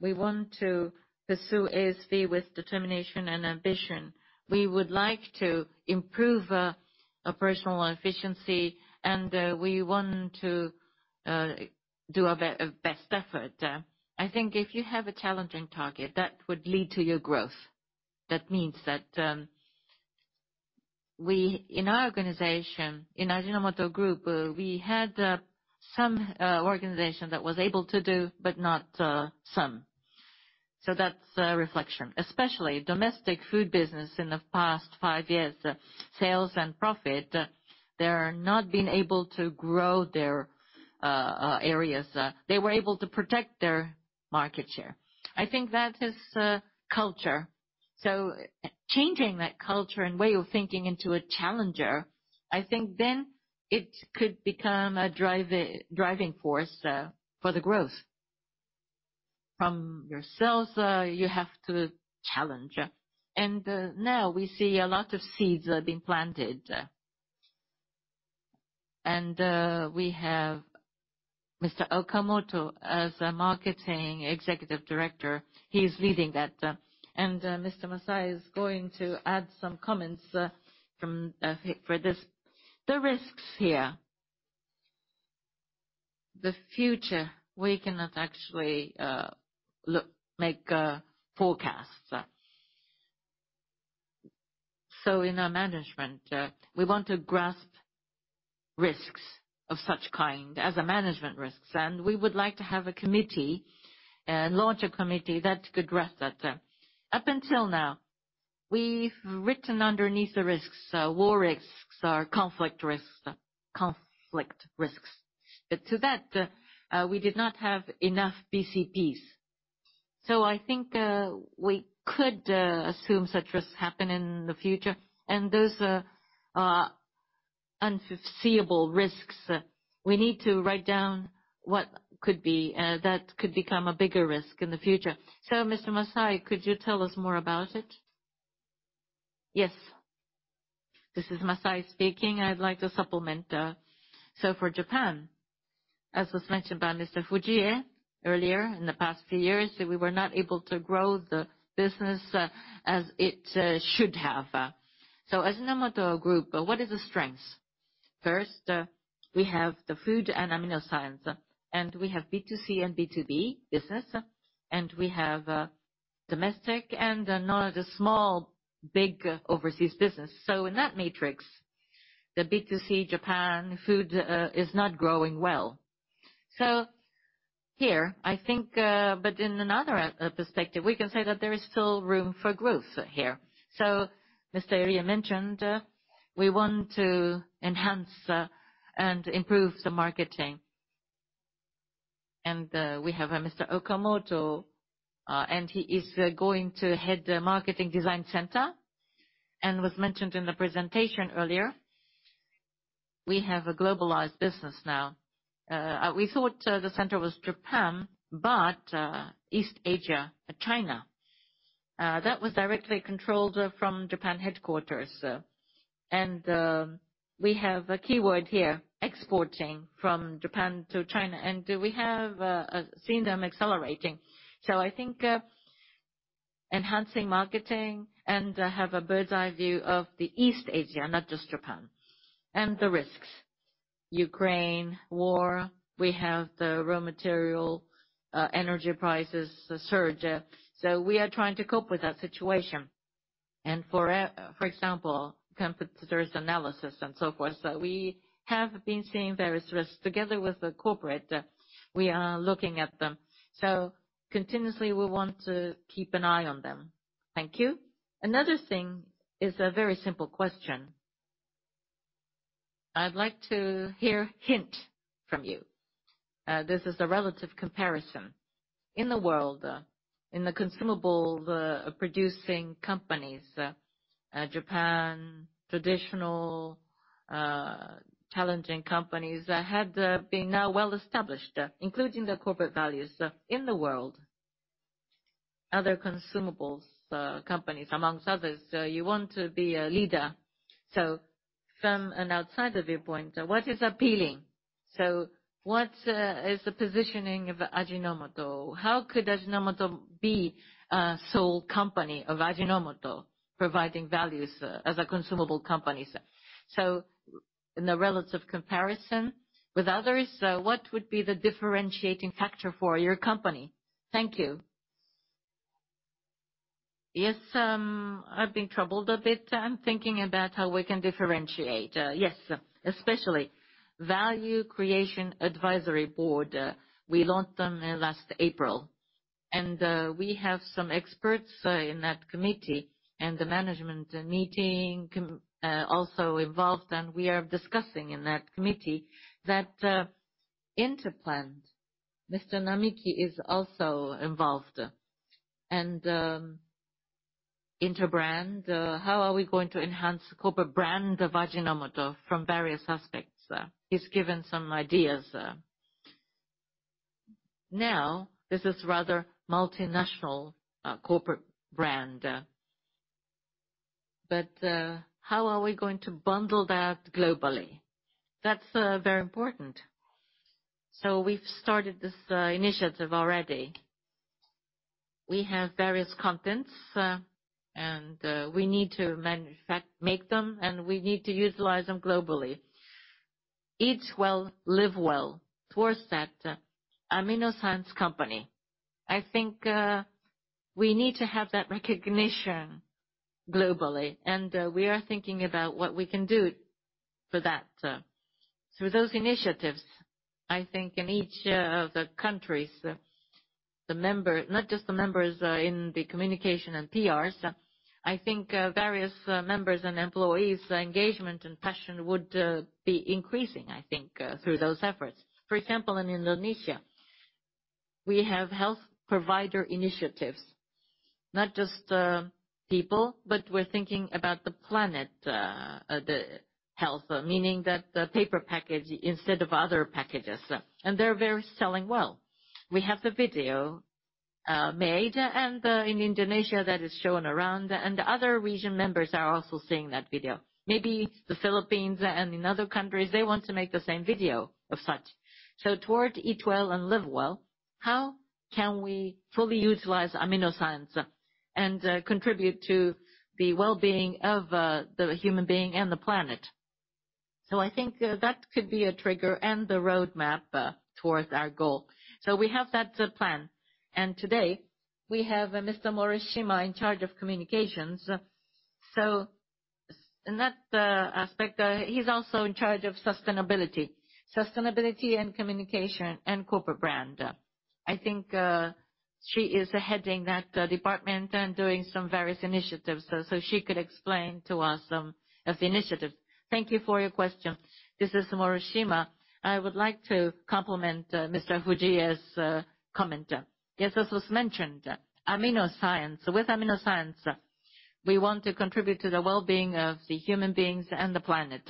we want to pursue ASV with determination and ambition. We would like to improve operational efficiency, we want to do our best effort. I think if you have a challenging target, that would lead to your growth. In our organization, in Ajinomoto Group, we had some organization that was able to do, but not some. That's a reflection. Especially domestic food business in the past 5 years, sales and profit, they are not being able to grow their areas. They were able to protect their market share. I think that is culture. Changing that culture and way of thinking into a challenger, I think it could become a driving force for the growth. From yourselves, you have to challenge. Now we see a lot of seeds are being planted. We have Mr. Okamoto as a Marketing Executive Director. He is leading that. Mr. Masai is going to add some comments for this. The risks here. The future, we cannot actually make forecasts. In our management, we want to grasp risks of such kind as a management risks, and we would like to have a committee and launch a committee that could grasp that. Up until now, we've written underneath the risks, war risks or conflict risks. To that, we did not have enough BCPs. I think we could assume such risks happen in the future, and those are unforeseeable risks. We need to write down what could be, that could become a bigger risk in the future. Mr. Masai, could you tell us more about it? Yes. This is Masai speaking. I'd like to supplement. For Japan, as was mentioned by Mr. Fujie earlier, in the past few years, we were not able to grow the business as it should have. As Ajinomoto Group, what is the strengths? First, we have the food and AminoScience. We have B2C and B2B business. We have domestic and not a small, big overseas business. In that matrix, the B2C Japan food is not growing well. Here, I think, in another perspective, we can say that there is still room for growth here. Mr. Irie mentioned we want to enhance and improve the marketing. We have a Mr. Okamoto, he is going to head the Marketing Design Center, and was mentioned in the presentation earlier. We have a globalized business now. We thought the center was Japan, East Asia, China. That was directly controlled from Japan headquarters. We have a keyword here, exporting from Japan to China, we have seen them accelerating. I think enhancing marketing and have a bird's-eye view of the East Asia, not just Japan. The risks. Ukraine war, we have the raw material, energy prices surge. We are trying to cope with that situation. For example, competitors analysis and so forth. We have been seeing various risks. Together with the corporate, we are looking at them. Continuously, we want to keep an eye on them. Thank you. Another thing is a very simple question. I'd like to hear hint from you. This is a relative comparison. In the world, in the consumable producing companies, Japan traditional challenging companies had been now well-established, including their corporate values in the world. Other consumables companies, amongst others, you want to be a leader. From an outsider viewpoint, what is appealing? What is the positioning of Ajinomoto? How could Ajinomoto be a sole company of Ajinomoto providing values as a consumable company? In a relative comparison with others, what would be the differentiating factor for your company? Thank you. Yes. I've been troubled a bit. I'm thinking about how we can differentiate. Especially, Value Creation Advisory Board. We launched them last April, and we have some experts in that committee and the management meeting also involved, and we are discussing in that committee that Interbrand. Mr. Namiki is also involved. Interbrand, how are we going to enhance the corporate brand of Ajinomoto from various aspects? He's given some ideas. This is rather multinational corporate brand. How are we going to bundle that globally? That's very important. We've started this initiative already. We have various contents, and we need to make them, and we need to utilize them globally. Eat well, live well. Towards that AminoScience company. I think we need to have that recognition globally, we are thinking about what we can do for that. Through those initiatives, I think in each of the countries, not just the members in the communication and PRs, various members' and employees' engagement and passion would be increasing, I think, through those efforts. In Indonesia, we have health provider initiatives. Not just people, but we're thinking about the planet, the health, meaning that the paper package instead of other packages, and they're selling well. We have the video made, in Indonesia that is shown around, and the other region members are also seeing that video. The Philippines and in other countries, they want to make the same video of such. Towards eat well and live well, how can we fully utilize AminoScience and contribute to the wellbeing of the human being and the planet? I think that could be a trigger and the roadmap towards our goal. We have that plan. Today, we have Mr. Morishima in charge of communications. In that aspect, he's also in charge of Sustainability. Sustainability and communication and corporate brand. I think she is heading that department and doing some various initiatives, so she could explain to us some of the initiatives. Thank you for your question. This is Morishima. I would like to compliment Mr. Fujie's comment. As was mentioned, AminoScience. With AminoScience, we want to contribute to the wellbeing of the human beings and the planet.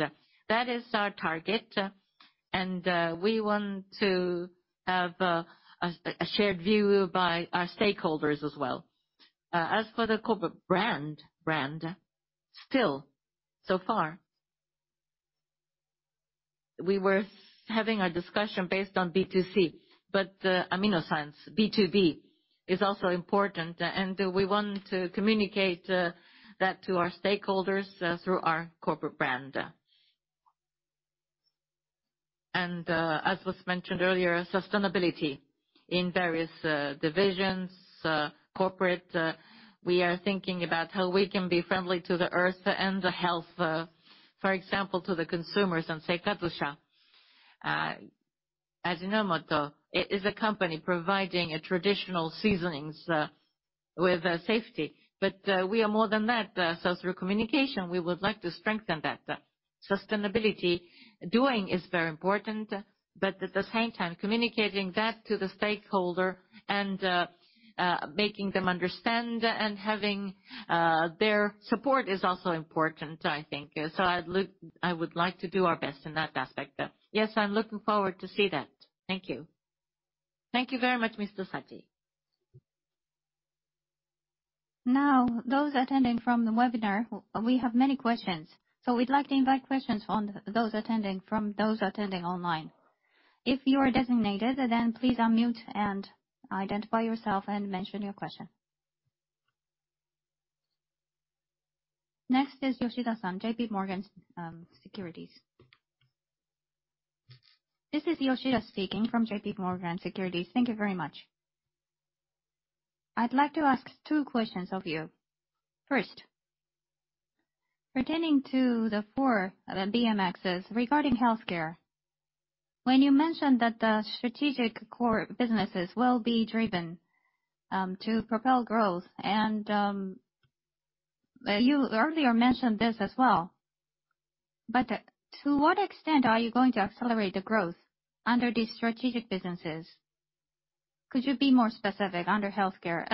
That is our target, we want to have a shared view by our stakeholders as well. As for the corporate brand, still so far, we were having a discussion based on B2C, AminoScience B2B is also important, we want to communicate that to our stakeholders through our corporate brand. As was mentioned earlier, Sustainability in various divisions, corporate, we are thinking about how we can be friendly to the Earth and the health, for example, to the consumers and. Ajinomoto, it is a company providing traditional seasonings with safety. We are more than that. Through communication, we would like to strengthen that Sustainability. Doing is very important, at the same time, communicating that to the stakeholder and making them understand and having their support is also important, I think. I would like to do our best in that aspect. I'm looking forward to see that. Thank you. Thank you very much, Mr. Saji. Those attending from the webinar, we have many questions. We'd like to invite questions from those attending online. If you are designated, please unmute and identify yourself and mention your question. Next is Yoshida-san, J.P. Morgan Securities. This is Yoshida speaking from J.P. Morgan Securities. Thank you very much. I'd like to ask two questions of you. First, pertaining to the 4 BMXs regarding healthcare. When you mentioned that the strategic core businesses will be driven to propel growth, you earlier mentioned this as well. To what extent are you going to accelerate the growth under these strategic businesses? Could you be more specific under healthcare?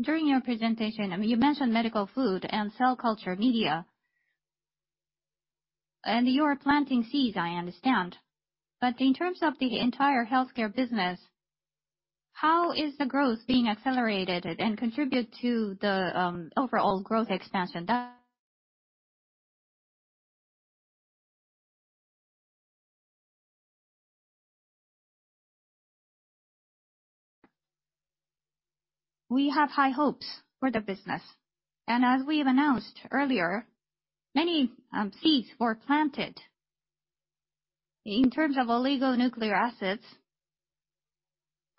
During your presentation, you mentioned medical food and cell culture media. You are planting seeds, I understand. In terms of the entire healthcare business, how is the growth being accelerated and contribute to the overall growth expansion that We have high hopes for the business. As we have announced earlier, many seeds were planted. In terms of oligonucleotide acids,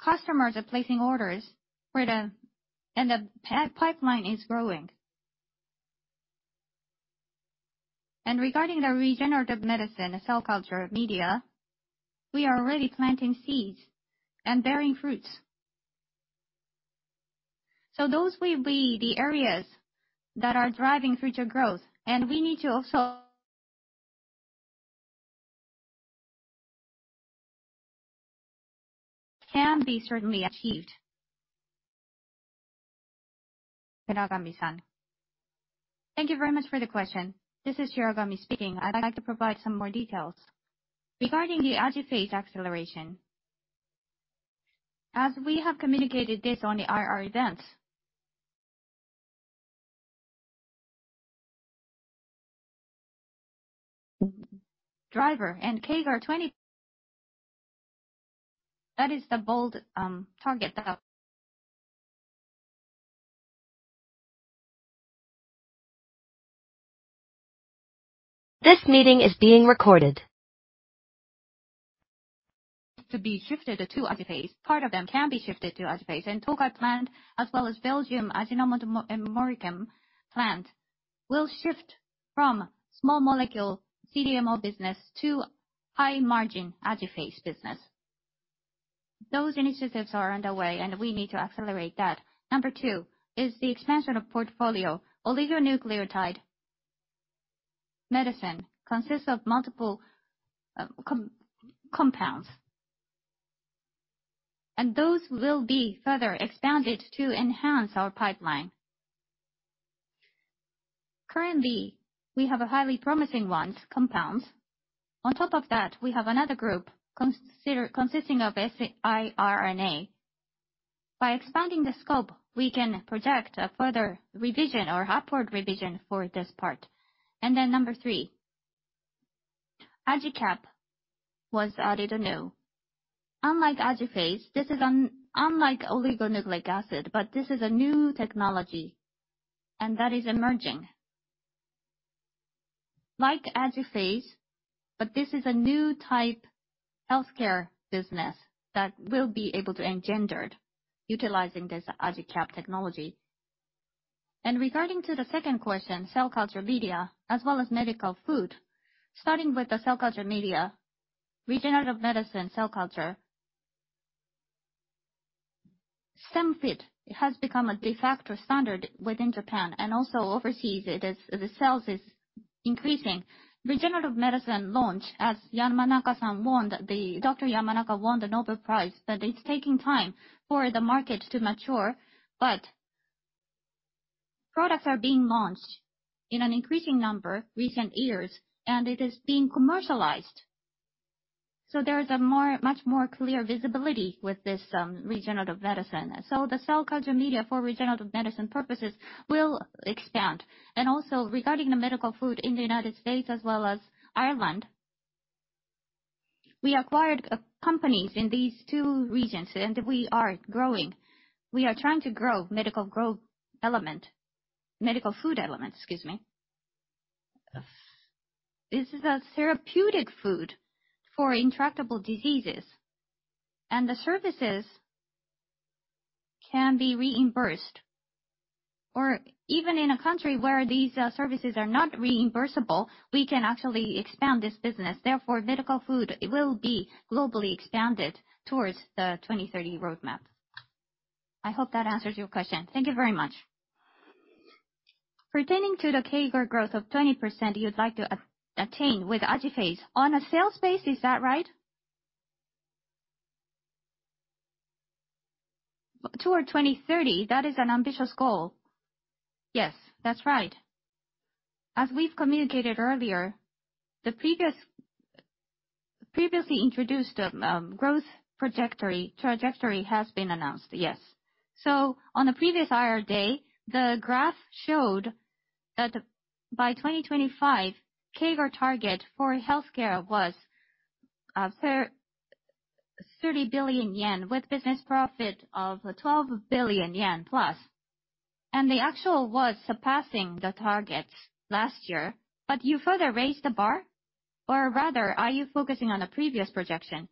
customers are placing orders and the pipeline is growing. Regarding the regenerative medicine cell culture media, we are already planting seeds and bearing fruits. Those will be the areas that are driving future growth. Can be certainly achieved. Shiragami-san. Thank you very much for the question. This is Shiragami speaking. I'd like to provide some more details. Regarding the Ajipit acceleration, as we have communicated this on the IR events Driver and CAGR 20. That is the bold target. To be shifted to AJIPHASE. Part of them can be shifted to AJIPHASE. Tokai Plant, as well as Belgium Ajinomoto OmniChem plant, will shift from small molecule CDMO business to high margin AJIPHASE business. Those initiatives are underway, and we need to accelerate that. Number 2 is the expansion of portfolio. Oligonucleotide medicine consists of multiple compounds. Those will be further expanded to enhance our pipeline. Currently, we have a highly promising one, compounds. On top of that, we have another group consisting of siRNA. By expanding the scope, we can project a further revision or upward revision for this part. Number 3, AJICAP was added anew. Unlike oligonucleotide acid, this is a new technology, and that is emerging. Like AJIPHASE, this is a new type healthcare business that will be able to engendered utilizing this AJICAP technology. Regarding the second question, cell culture media as well as medical food. Starting with the cell culture media, regenerative medicine, cell culture. StemFit has become a de facto standard within Japan and also overseas. The sales is increasing. Regenerative medicine launch, as Dr. Yamanaka won the Nobel Prize, it's taking time for the market to mature. Products are being launched in an increasing number recent years, and it is being commercialized. There is a much more clear visibility with this regenerative medicine. The cell culture media for regenerative medicine purposes will expand. Regarding the medical food in the U.S. as well as Ireland, we acquired companies in these two regions, and we are growing. We are trying to grow medical food element. This is a therapeutic food for intractable diseases, and the services can be reimbursed. Even in a country where these services are not reimbursable, we can actually expand this business. Medical food will be globally expanded towards the 2030 roadmap. I hope that answers your question. Thank you very much. Pertaining to the CAGR growth of 20% you would like to attain with AJIPHASE on a sales base, is that right? Toward 2030, that is an ambitious goal. Yes, that's right. As we've communicated earlier, the previously introduced growth trajectory has been announced. Yes. On the previous IR day, the graph showed that by 2025, CAGR target for healthcare was 30 billion yen with business profit of 12 billion yen plus. The actual was surpassing the targets last year. You further raised the bar? Or rather, are you focusing on a previous projection?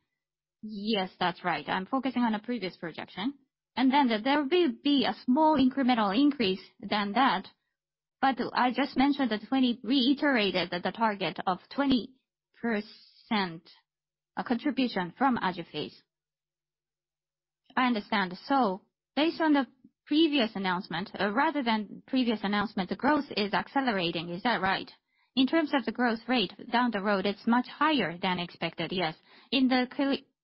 Yes, that's right. I'm focusing on a previous projection. Then there will be a small incremental increase than that. I just mentioned that when we reiterated that the target of 20% contribution from AJIPHASE. I understand. Based on the previous announcement, rather than previous announcement, the growth is accelerating. Is that right? In terms of the growth rate down the road, it's much higher than expected, yes.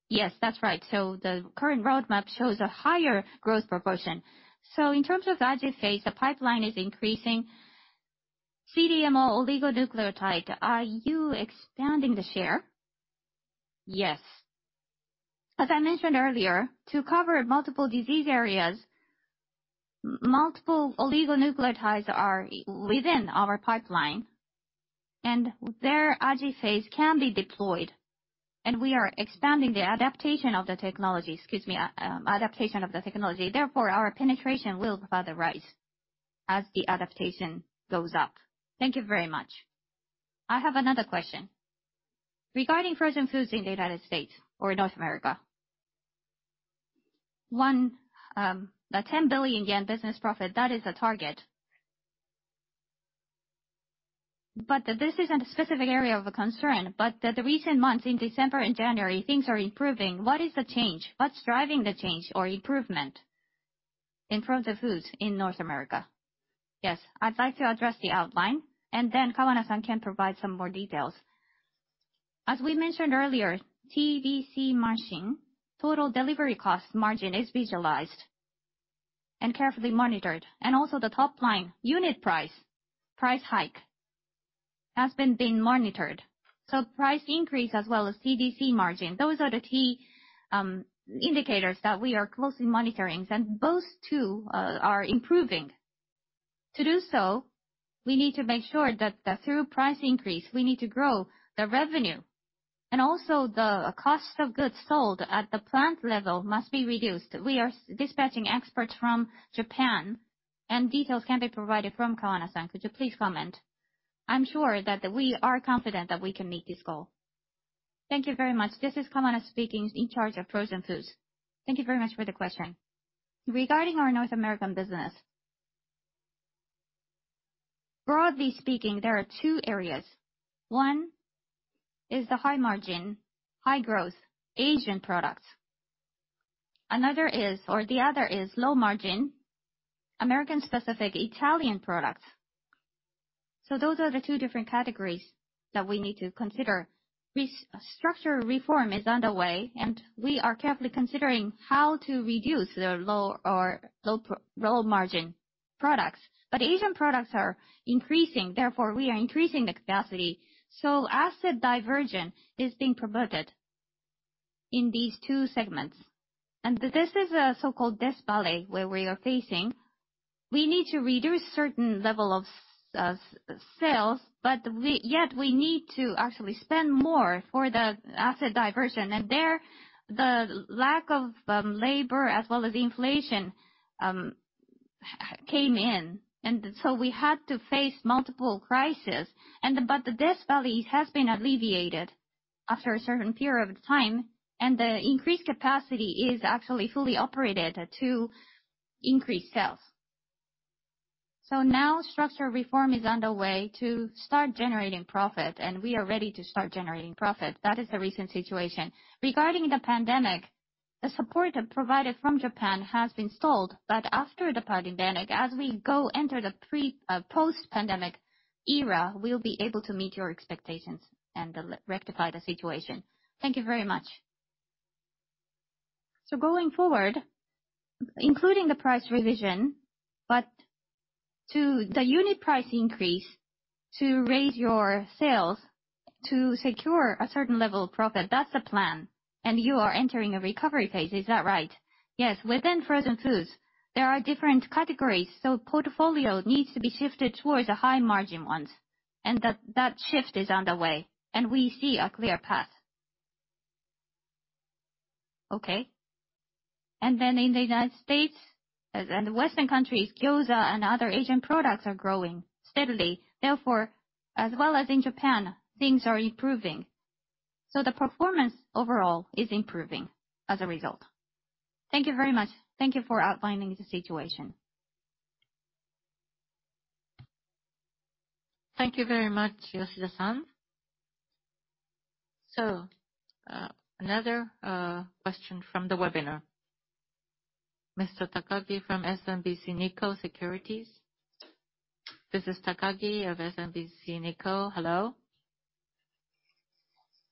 Yes, that's right. The current roadmap shows a higher growth proportion. In terms of AJIPHASE, the pipeline is increasing. CDMO oligonucleotide, are you expanding the share? Yes. As I mentioned earlier, to cover multiple disease areas, multiple oligonucleotides are within our pipeline. There, AJIPHASE can be deployed. We are expanding the adaptation of the technology. Our penetration will further rise as the adaptation goes up. Thank you very much. I have another question. Regarding frozen foods in the U.S. or North America. One, the 10 billion yen business profit, that is the target. This isn't a specific area of concern, but the recent months in December and January, things are improving. What is the change? What's driving the change or improvement in frozen foods in North America? Yes. I'd like to address the outline, then Kawana-san can provide some more details. As we mentioned earlier, TDC margin, total delivery cost margin is visualized and carefully monitored. Also the top line unit price hike has been being monitored. Price increase as well as TDC margin, those are the key indicators that we are closely monitoring. Both, too, are improving. To do so, we need to make sure that through price increase, we need to grow the revenue. Also the cost of goods sold at the plant level must be reduced. We are dispatching experts from Japan, and details can be provided from Kawana-san. Could you please comment? I'm sure that we are confident that we can meet this goal. Thank you very much. This is Kawana speaking, in charge of frozen foods. Thank you very much for the question. Regarding our North American business, broadly speaking, there are two areas. One is the high margin, high growth Asian products. The other is low margin, American-specific Italian products. Those are the two different categories that we need to consider. Structure reform is underway, we are carefully considering how to reduce the low margin products. Asian products are increasing, therefore, we are increasing the capacity. Asset diversion is being promoted in these two segments. This is a so-called death valley, where we are facing. We need to reduce certain level of sales, but yet we need to actually spend more for the asset diversion. There, the lack of labor as well as inflation came in. So we had to face multiple crises. The death valley has been alleviated after a certain period of time, and the increased capacity is actually fully operated to increase sales. Now structure reform is underway to start generating profit, and we are ready to start generating profit. That is the recent situation. Regarding the pandemic, the support provided from Japan has been stalled. After the pandemic, as we go enter the post-pandemic era, we will be able to meet your expectations and rectify the situation. Thank you very much. Going forward, including the price revision, but to the unit price increase to raise your sales to secure a certain level of profit, that is the plan. You are entering a recovery phase, is that right? Yes. Within frozen foods, there are different categories. Portfolio needs to be shifted towards the high margin ones. That shift is underway, and we see a clear path. Okay. Then in the U.S. and Western countries, Gyoza and other Asian products are growing steadily. Therefore, as well as in Japan, things are improving. The performance overall is improving as a result. Thank you very much. Thank you for outlining the situation. Thank you very much, Yoshida-san. Another question from the webinar. Mr. Takagi from SMBC Nikko Securities. This is Takagi of SMBC Nikko. Hello.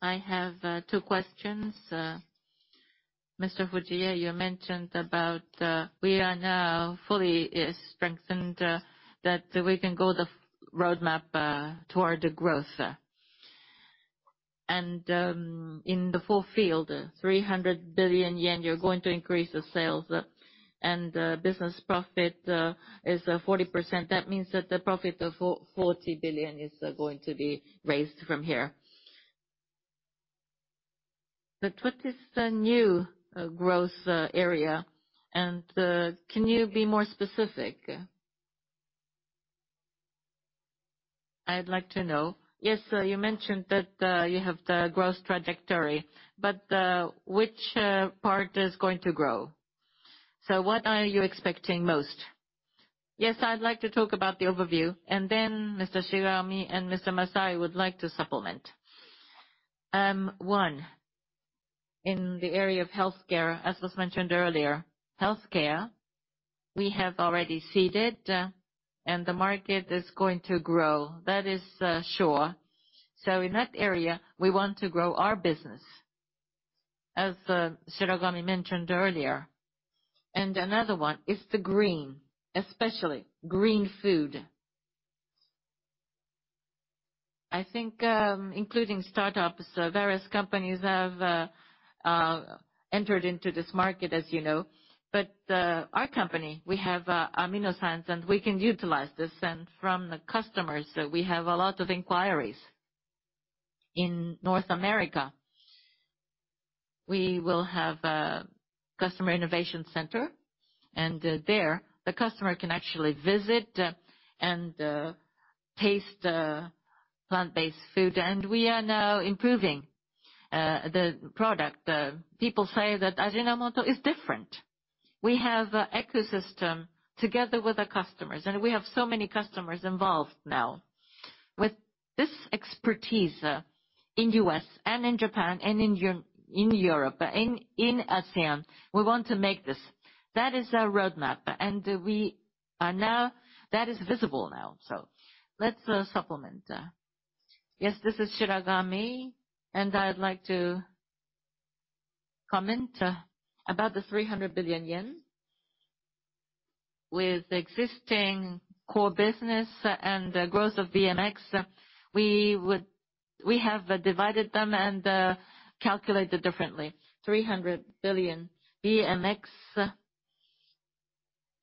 I have two questions. Mr. Fujie, you mentioned about we are now fully strengthened, that we can go the roadmap toward growth. In the full field, 300 billion yen, you are going to increase the sales, and business profit is 40%. That means that the profit of 40 billion is going to be raised from here. What is the new growth area, and can you be more specific? I would like to know. Yes, you mentioned that you have the growth trajectory, but which part is going to grow? What are you expecting most? I would like to talk about the overview, then Mr. Shiragami and Mr. Masami would like to supplement. One, in the area of healthcare, as was mentioned earlier, healthcare, we have already seeded and the market is going to grow. That is sure. In that area, we want to grow our business, as Shiragami mentioned earlier. Another one is the green, especially green food. I think including startups, various companies have entered into this market, as you know. Our company, we have AminoScience and we can utilize this. From the customers, we have a lot of inquiries. In North America, we will have a customer innovation center, and there the customer can actually visit and taste plant-based food. We are now improving the product. People say that Ajinomoto is different. We have ecosystem together with our customers, and we have so many customers involved now. With this expertise in U.S. and in Japan and in Europe, in ASEAN, we want to make this. That is our roadmap, and that is visible now. Let's supplement. Yes, this is Shiragami, and I'd like to comment about the 300 billion yen. With existing core business and the growth of BMX, we have divided them and calculated differently. 300 billion BMX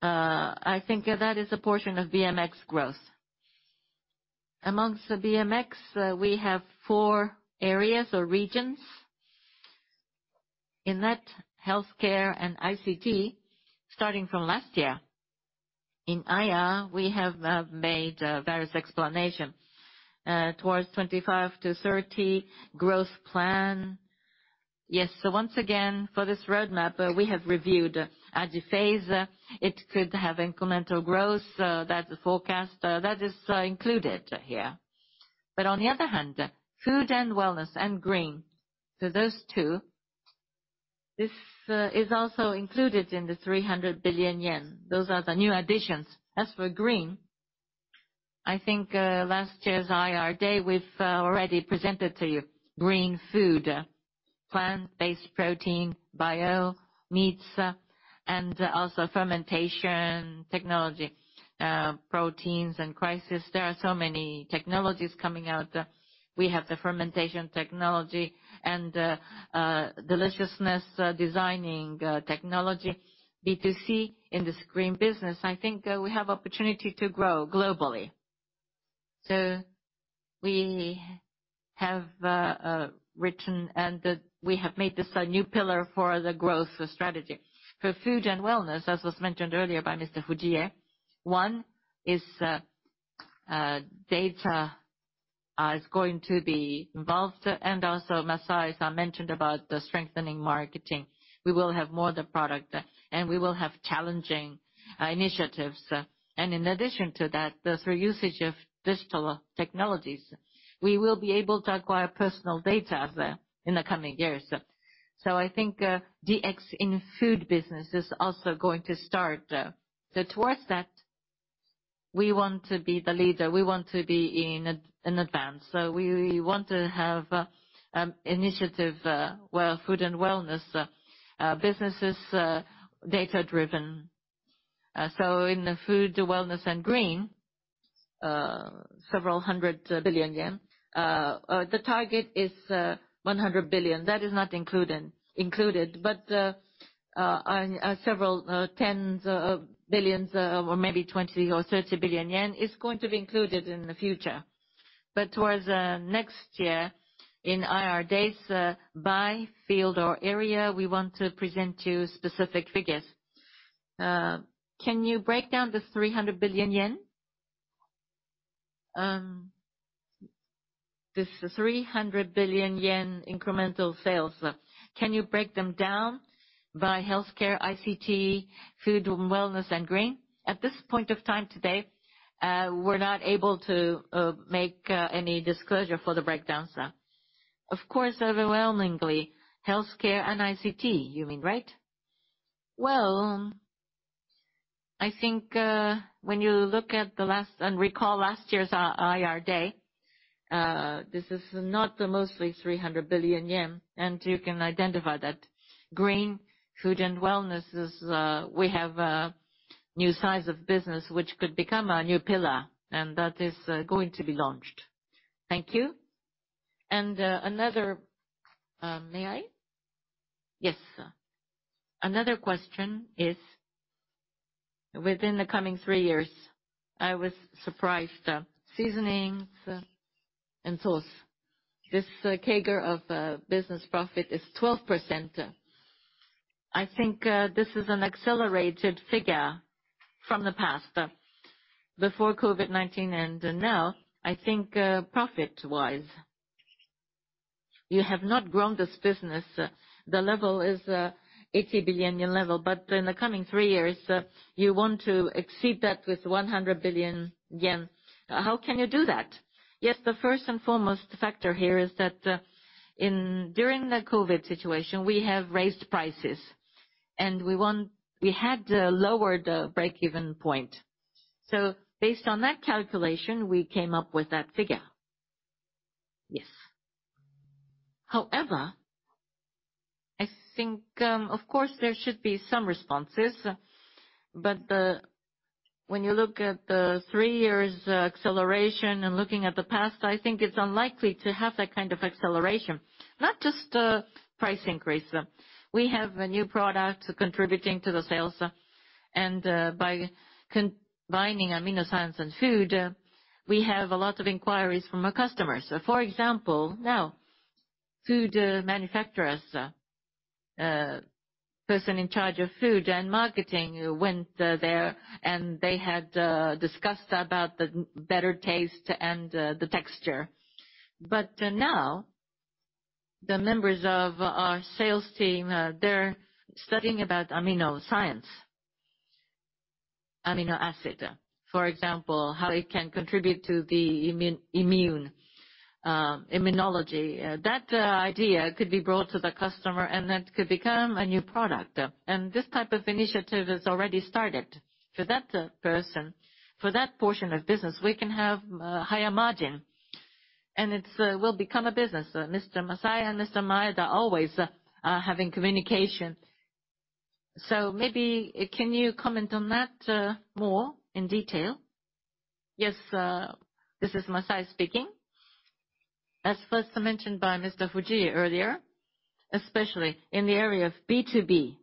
I think that is a portion of BMX growth. Among the BMX, we have 4 areas or regions. In that, healthcare and ICT, starting from last year. In IR, we have made various explanation towards 2025 to 2030 growth plan. Yes. Once again, for this roadmap, we have reviewed AJIPHASE. It could have incremental growth, that forecast. That is included here. On the other hand, food and wellness and green. Those two, this is also included in the 300 billion yen. Those are the new additions. As for green, I think last year's IR Day, we've already presented to you. Green food, plant-based protein, bio-meats, and also fermentation technology, proteins and crisis. There are so many technologies coming out. We have the fermentation technology and deliciousness designing technology, B2C. In this green business, I think we have opportunity to grow globally. We have written, and we have made this a new pillar for the growth strategy. For food and wellness, as was mentioned earlier by Mr. Fujie, one is data is going to be involved and also Masaya-san mentioned about the strengthening marketing. We will have more the product, and we will have challenging initiatives. In addition to that, through usage of digital technologies, we will be able to acquire personal data in the coming years. I think DX in food business is also going to start. Towards that, we want to be the leader. We want to be in advance. We want to have initiative where food and wellness business is data-driven. In the food, wellness and green, JPY several hundred billion. The target is 100 billion. That is not included. Several tens of billions or maybe 20 billion or 30 billion yen is going to be included in the future. Towards next year, in IR Days, by field or area, we want to present you specific figures. Can you break down the 300 billion yen? This 300 billion yen incremental sales, can you break them down by healthcare, ICT, food and wellness and green? At this point of time today, we're not able to make any disclosure for the breakdowns. Of course, overwhelmingly, healthcare and ICT, you mean, right? I think when you look at the last and recall last year's IR day, this is not mostly 300 billion yen, and you can identify that green, food and wellness is, we have new sides of business which could become a new pillar, and that is going to be launched. Thank you. May I? Yes. Another question is, within the coming three years, I was surprised. Seasonings and sauce. This CAGR of business profit is 12%. I think this is an accelerated figure from the past. Before COVID-19 and now, I think profit-wise, you have not grown this business. The level is 80 billion yen level, but in the coming three years, you want to exceed that with 100 billion yen. How can you do that? Yes. The first and foremost factor here is that during the COVID situation, we have raised prices. We had lowered the break-even point. Based on that calculation, we came up with that figure. Yes. However, I think of course there should be some responses, but when you look at the three years' acceleration and looking at the past, I think it's unlikely to have that kind of acceleration, not just price increase. We have a new product contributing to the sales, and by combining AminoScience and food, we have a lot of inquiries from our customers. For example, now, food manufacturers, person in charge of food and marketing went there, and they had discussed about the better taste and the texture. But now, the members of our sales team, they're studying about AminoScience. Amino acid, for example, how it can contribute to the immunology. That idea could be brought to the customer, and that could become a new product. This type of initiative has already started. For that person, for that portion of business, we can have a higher margin. It will become a business. Mr. Masaya and Mr. Maeda always are having communication. Maybe can you comment on that more in detail? Yes, this is Masai speaking. As first mentioned by Mr. Fujii earlier, especially in the area of B2B,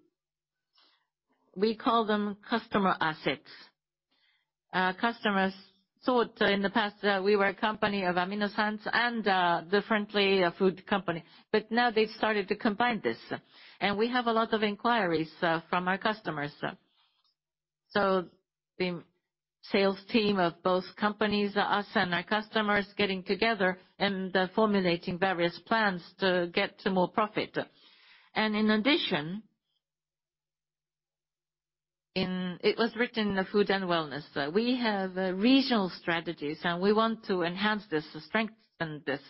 we call them customer assets. Customers thought in the past that we were a company of amino acids and differently a food company, but now they've started to combine this, and we have a lot of inquiries from our customers. The sales team of both companies, us and our customers, getting together and formulating various plans to get to more profit. In addition, it was written in the food and wellness. We have regional strategies, and we want to enhance this, to strengthen this.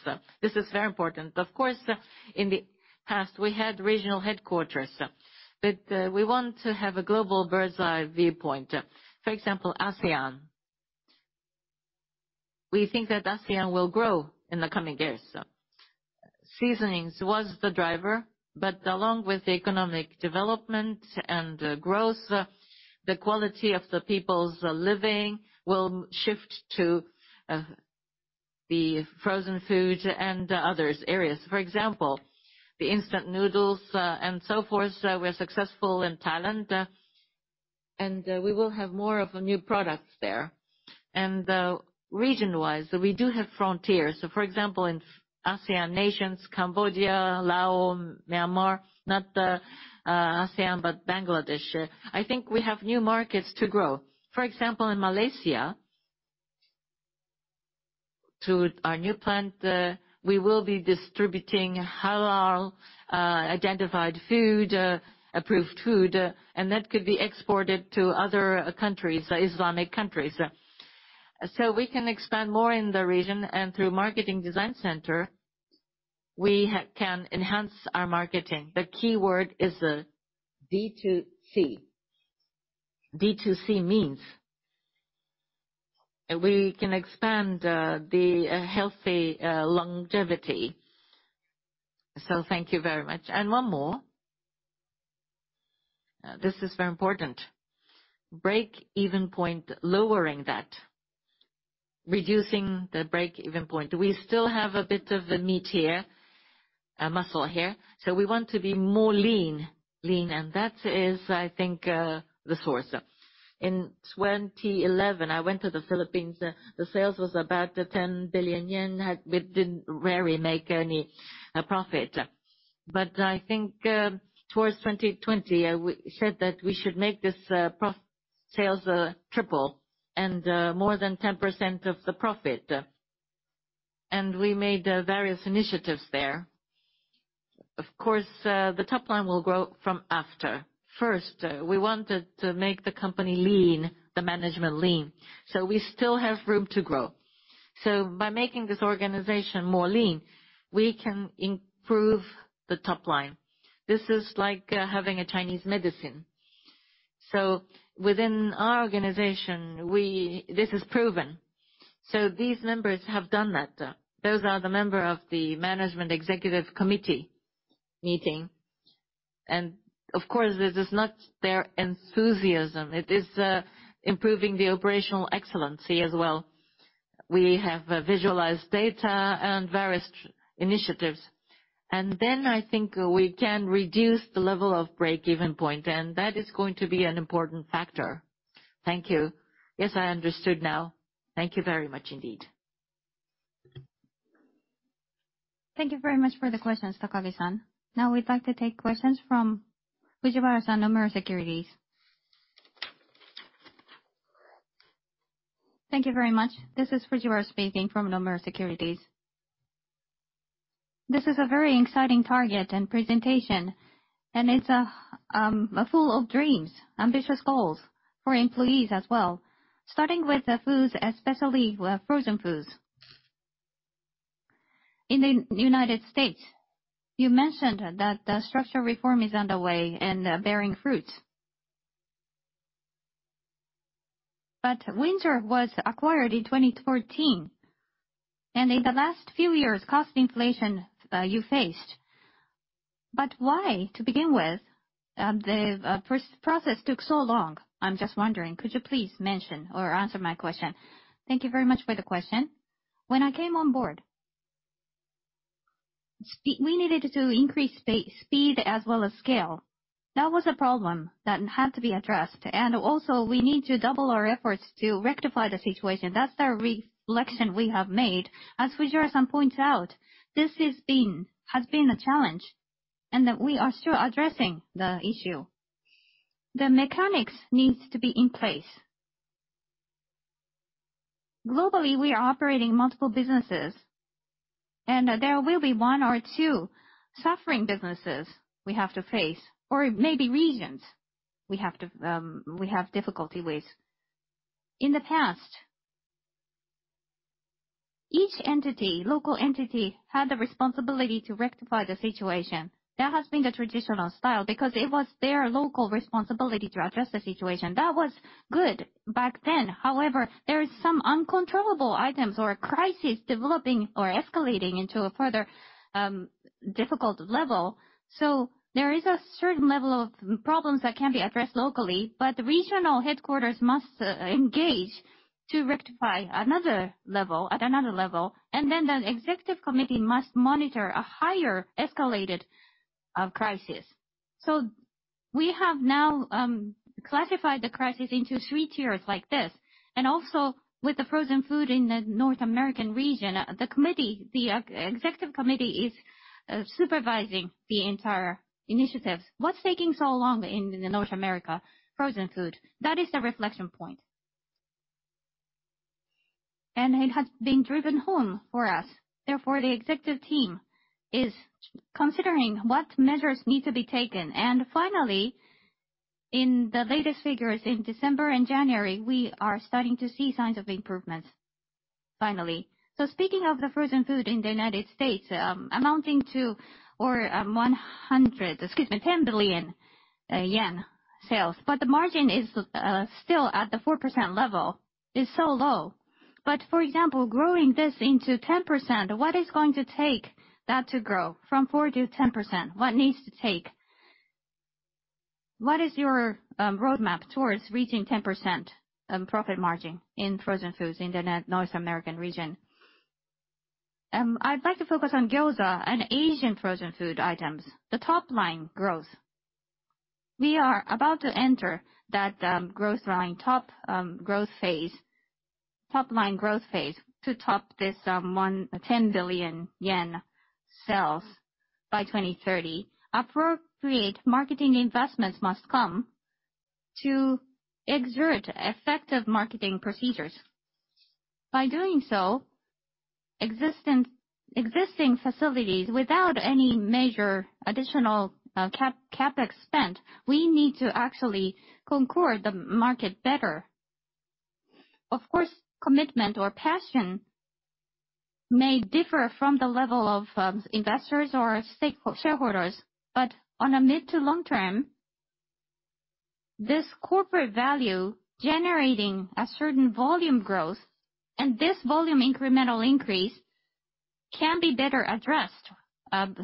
This is very important. Of course, in the past we had regional headquarters, but we want to have a global bird's-eye viewpoint. For example, ASEAN. We think that ASEAN will grow in the coming years. Seasonings was the driver, but along with the economic development and growth, the quality of the people's living will shift to the frozen food and other areas. For example, the instant noodles and so forth were successful in Thailand, and we will have more of a new product there. Region wise, we do have frontiers. For example, in ASEAN nations, Cambodia, Laos, Myanmar, not the ASEAN, but Bangladesh. I think we have new markets to grow. For example, in Malaysia, through our new plant, we will be distributing halal identified food, approved food, and that could be exported to other countries, Islamic countries. We can expand more in the region and through Marketing Design Center, we can enhance our marketing. The key word is D2C. D2C means we can expand the healthy longevity. Thank you very much. One more. This is very important. Break-even point, lowering that, reducing the break-even point. We still have a bit of meat here, muscle here. We want to be leaner. That is, I think, the source. In 2011, I went to the Philippines. The sales was about 10 billion yen. We didn't rarely make any profit. I think towards 2020, I said that we should make this sales triple and more than 10% of the profit. We made various initiatives there. Of course, the top line will grow from after. First, we wanted to make the company lean, the management lean. We still have room to grow. By making this organization more lean, we can improve the top line. This is like having a Chinese medicine. Within our organization, this is proven. These members have done that. Those are the member of the management executive committee meeting. Of course, this is not their enthusiasm. It is improving the operational excellency as well. We have visualized data and various initiatives, I think we can reduce the level of break-even point, and that is going to be an important factor. Thank you. Yes, I understood now. Thank you very much indeed. Thank you very much for the questions, Takami-san. We'd like to take questions from Fujiwara-san, Nomura Securities. Thank you very much. This is Fujiwara speaking from Nomura Securities. This is a very exciting target and presentation, and it's full of dreams, ambitious goals for employees as well. Starting with the foods, especially frozen foods. In the U.S., you mentioned that the structural reform is underway and bearing fruit. Windsor was acquired in 2014, in the last few years, cost inflation you faced. Why, to begin with, the process took so long? I'm just wondering. Could you please mention or answer my question? Thank you very much for the question. When I came on board, we needed to increase speed as well as scale. That was a problem that had to be addressed. We need to double our efforts to rectify the situation. That's the reflection we have made. As Fujiwara-san points out, this has been a challenge that we are still addressing the issue. The mechanics needs to be in place. Globally, we are operating multiple businesses there will be one or two suffering businesses we have to face, or it may be regions we have difficulty with. In the past, each entity, local entity, had the responsibility to rectify the situation. That has been the traditional style because it was their local responsibility to address the situation. That was good back then. However, there is some uncontrollable items or a crisis developing or escalating into a further difficult level. There is a certain level of problems that can be addressed locally, but the regional headquarters must engage to rectify at another level, the executive committee must monitor a higher escalated crisis. We have now classified the crisis into 3 tiers like this. Also with the frozen food in the North American region, the Executive Committee is supervising the entire initiatives. What is taking so long in the North America frozen food? That is the reflection point. It has been driven home for us, therefore, the Executive Team is considering what measures need to be taken. Finally, in the latest figures in December and January, we are starting to see signs of improvements finally. Speaking of the frozen food in the United States, amounting to 10 billion yen sales. But the margin is still at the 4% level, is so low. But for example, growing this into 10%, what is going to take that to grow from 4% to 10%? What needs to take? What is your roadmap towards reaching 10% profit margin in frozen foods in the North American region? I would like to focus on Gyoza and Asian frozen food items. The top-line growth. We are about to enter that top-line growth phase to top this 10 billion yen sales by 2030. Appropriate marketing investments must come to exert effective marketing procedures. By doing so, existing facilities without any major additional CapEx spend, we need to actually conquer the market better. Of course, commitment or passion may differ from the level of investors or shareholders. On a mid-to-long term, this corporate value generating a certain volume growth, and this volume incremental increase, can be better addressed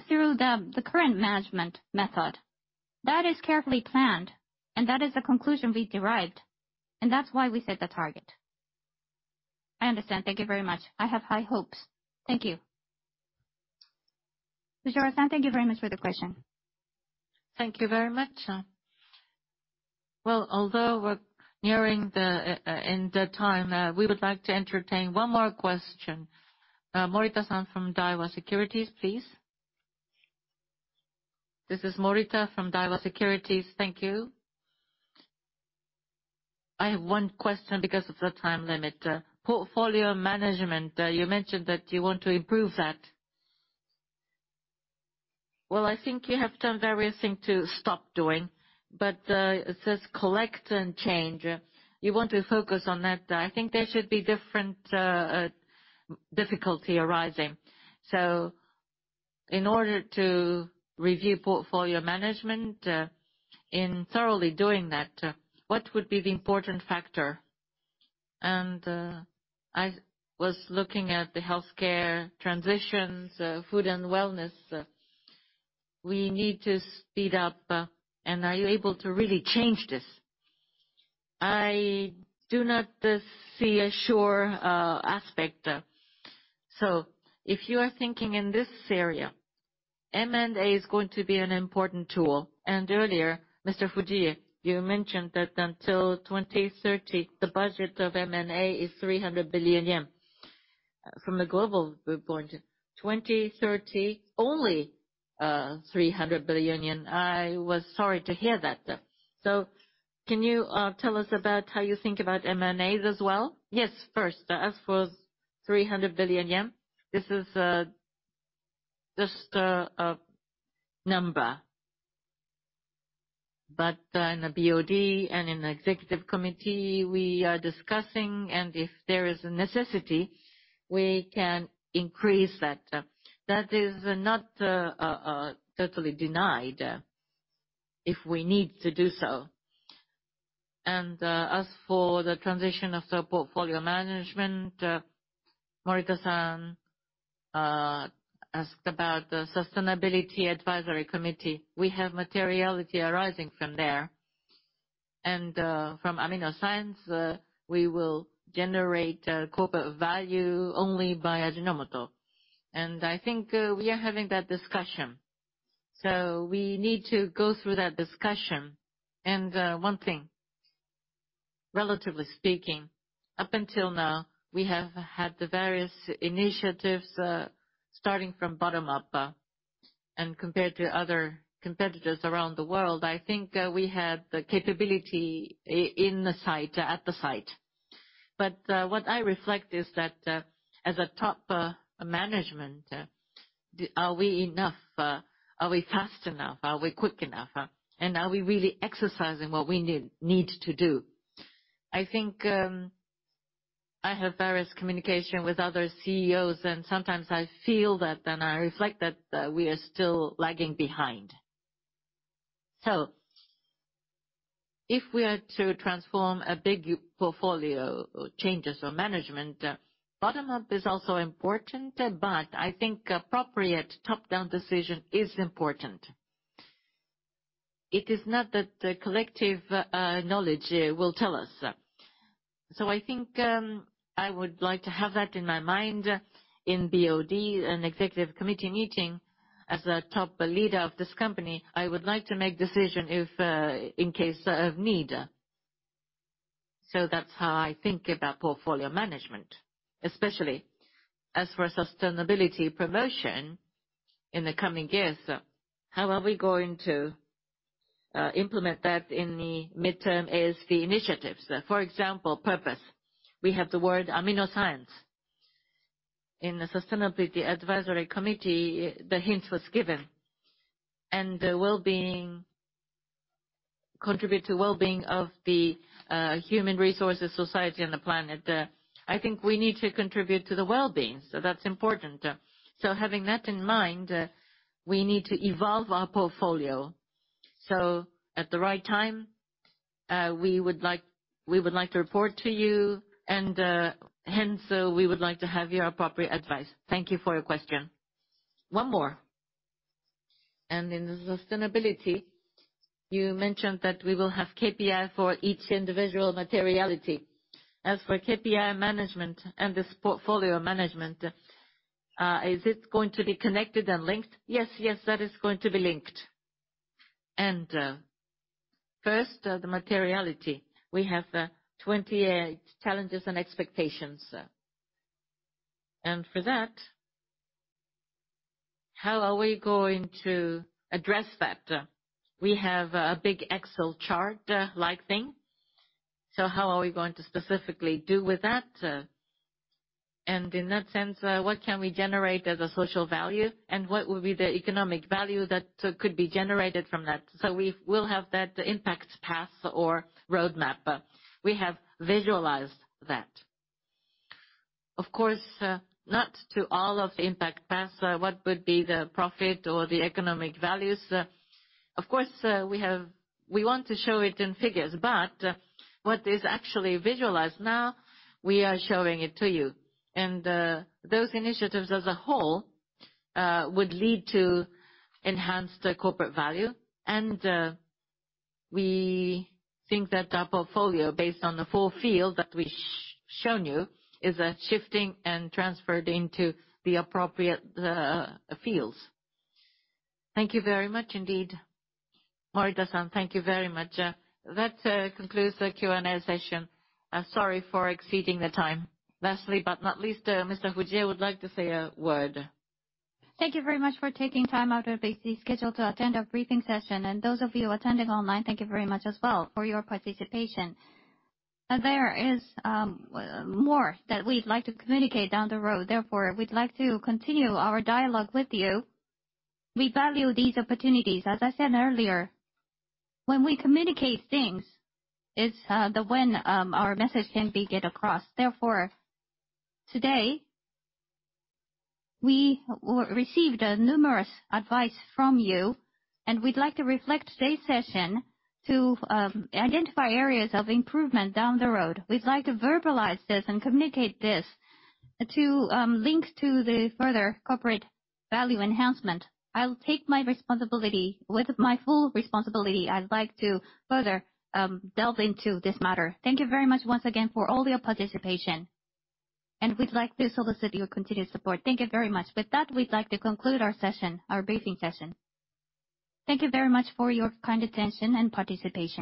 through the current management method. That is carefully planned, and that is the conclusion we derived, and that is why we set the target. I understand. Thank you very much. I have high hopes. Thank you. Fujiwara-san, thank you very much for the question. Thank you very much. Although we are nearing the end time, we would like to entertain one more question. Morita-san from Daiwa Securities, please. This is Morita from Daiwa Securities. Thank you. I have one question because of the time limit. Portfolio management, you mentioned that you want to improve that. I think you have done various things to stop doing, but it says collect and change. You want to focus on that. I think there should be different difficulties arising. In order to review portfolio management, in thoroughly doing that, what would be the important factor? I was looking at the healthcare transitions, food and wellness. We need to speed up, and are you able to really change this? I do not see a sure aspect. If you are thinking in this area, M&A is going to be an important tool. Earlier, Mr. Fujii, you mentioned that until 2030, the budget of M&A is 300 billion yen. From a global viewpoint, 2030, only 300 billion yen. I was sorry to hear that. Can you tell us about how you think about M&A as well? Yes. First, as for 300 billion yen, this is just a number. In the BOD and in the executive committee, we are discussing, and if there is a necessity, we can increase that. That is not totally denied if we need to do so. As for the transition of the portfolio management, Morita-san asked about the Sustainability Advisory Council. We have materiality arising from there. From AminoScience, we will generate corporate value only by Ajinomoto. I think we are having that discussion. We need to go through that discussion. One thing, relatively speaking, up until now, we have had the various initiatives starting from bottom up. Compared to other competitors around the world, I think we had the capability at the site. What I reflect is that as a top management, are we enough? Are we fast enough? Are we quick enough? Are we really exercising what we need to do? I think I have various communication with other CEOs, and sometimes I feel that and I reflect that we are still lagging behind. If we are to transform a big portfolio changes or management, bottom-up is also important, but I think appropriate top-down decision is important. It is not that the collective knowledge will tell us I think I would like to have that in my mind in BOD and executive committee meeting. As a top leader of this company, I would like to make decision in case of need. That's how I think about portfolio management, especially as for sustainability promotion in the coming years. How are we going to implement that in the midterm is the initiatives. For example, purpose. We have the word AminoScience. In the Sustainability Advisory Council, the hint was given. Contribute to wellbeing of the human resources society and the planet, I think we need to contribute to the wellbeing, that's important. Having that in mind, we need to evolve our portfolio. At the right time, we would like to report to you and hence, we would like to have your appropriate advice. Thank you for your question. One more. In the sustainability, you mentioned that we will have KPI for each individual materiality. As for KPI management and this portfolio management, is it going to be connected and linked? Yes. That is going to be linked. First, the materiality. We have 28 challenges and expectations. For that, how are we going to address that? We have a big Excel chart-like thing. How are we going to specifically do with that? In that sense, what can we generate as a social value, and what will be the economic value that could be generated from that? We will have that impact path or roadmap. We have visualized that. Of course, not to all of impact path, what would be the profit or the economic values? Of course, we want to show it in figures, but what is actually visualized now, we are showing it to you. Those initiatives as a whole would lead to enhanced corporate value. We think that our portfolio, based on the four fields that we've shown you, is shifting and transferred into the appropriate fields. Thank you very much indeed. Morita-san, thank you very much. That concludes the Q&A session. Sorry for exceeding the time. Lastly, but not least, Mr. Fujie would like to say a word. Thank you very much for taking time out of a busy schedule to attend our briefing session. Those of you attending online, thank you very much as well for your participation. There is more that we'd like to communicate down the road. Therefore, we'd like to continue our dialogue with you. We value these opportunities. As I said earlier, when we communicate things, it's when our message can get across. Therefore, today, we received numerous advice from you, and we'd like to reflect today's session to identify areas of improvement down the road. We'd like to verbalize this and communicate this to link to the further corporate value enhancement. I'll take my responsibility. With my full responsibility, I'd like to further delve into this matter. Thank you very much once again for all your participation. We'd like to solicit your continued support. Thank you very much. With that, we'd like to conclude our briefing session. Thank you very much for your kind attention and participation.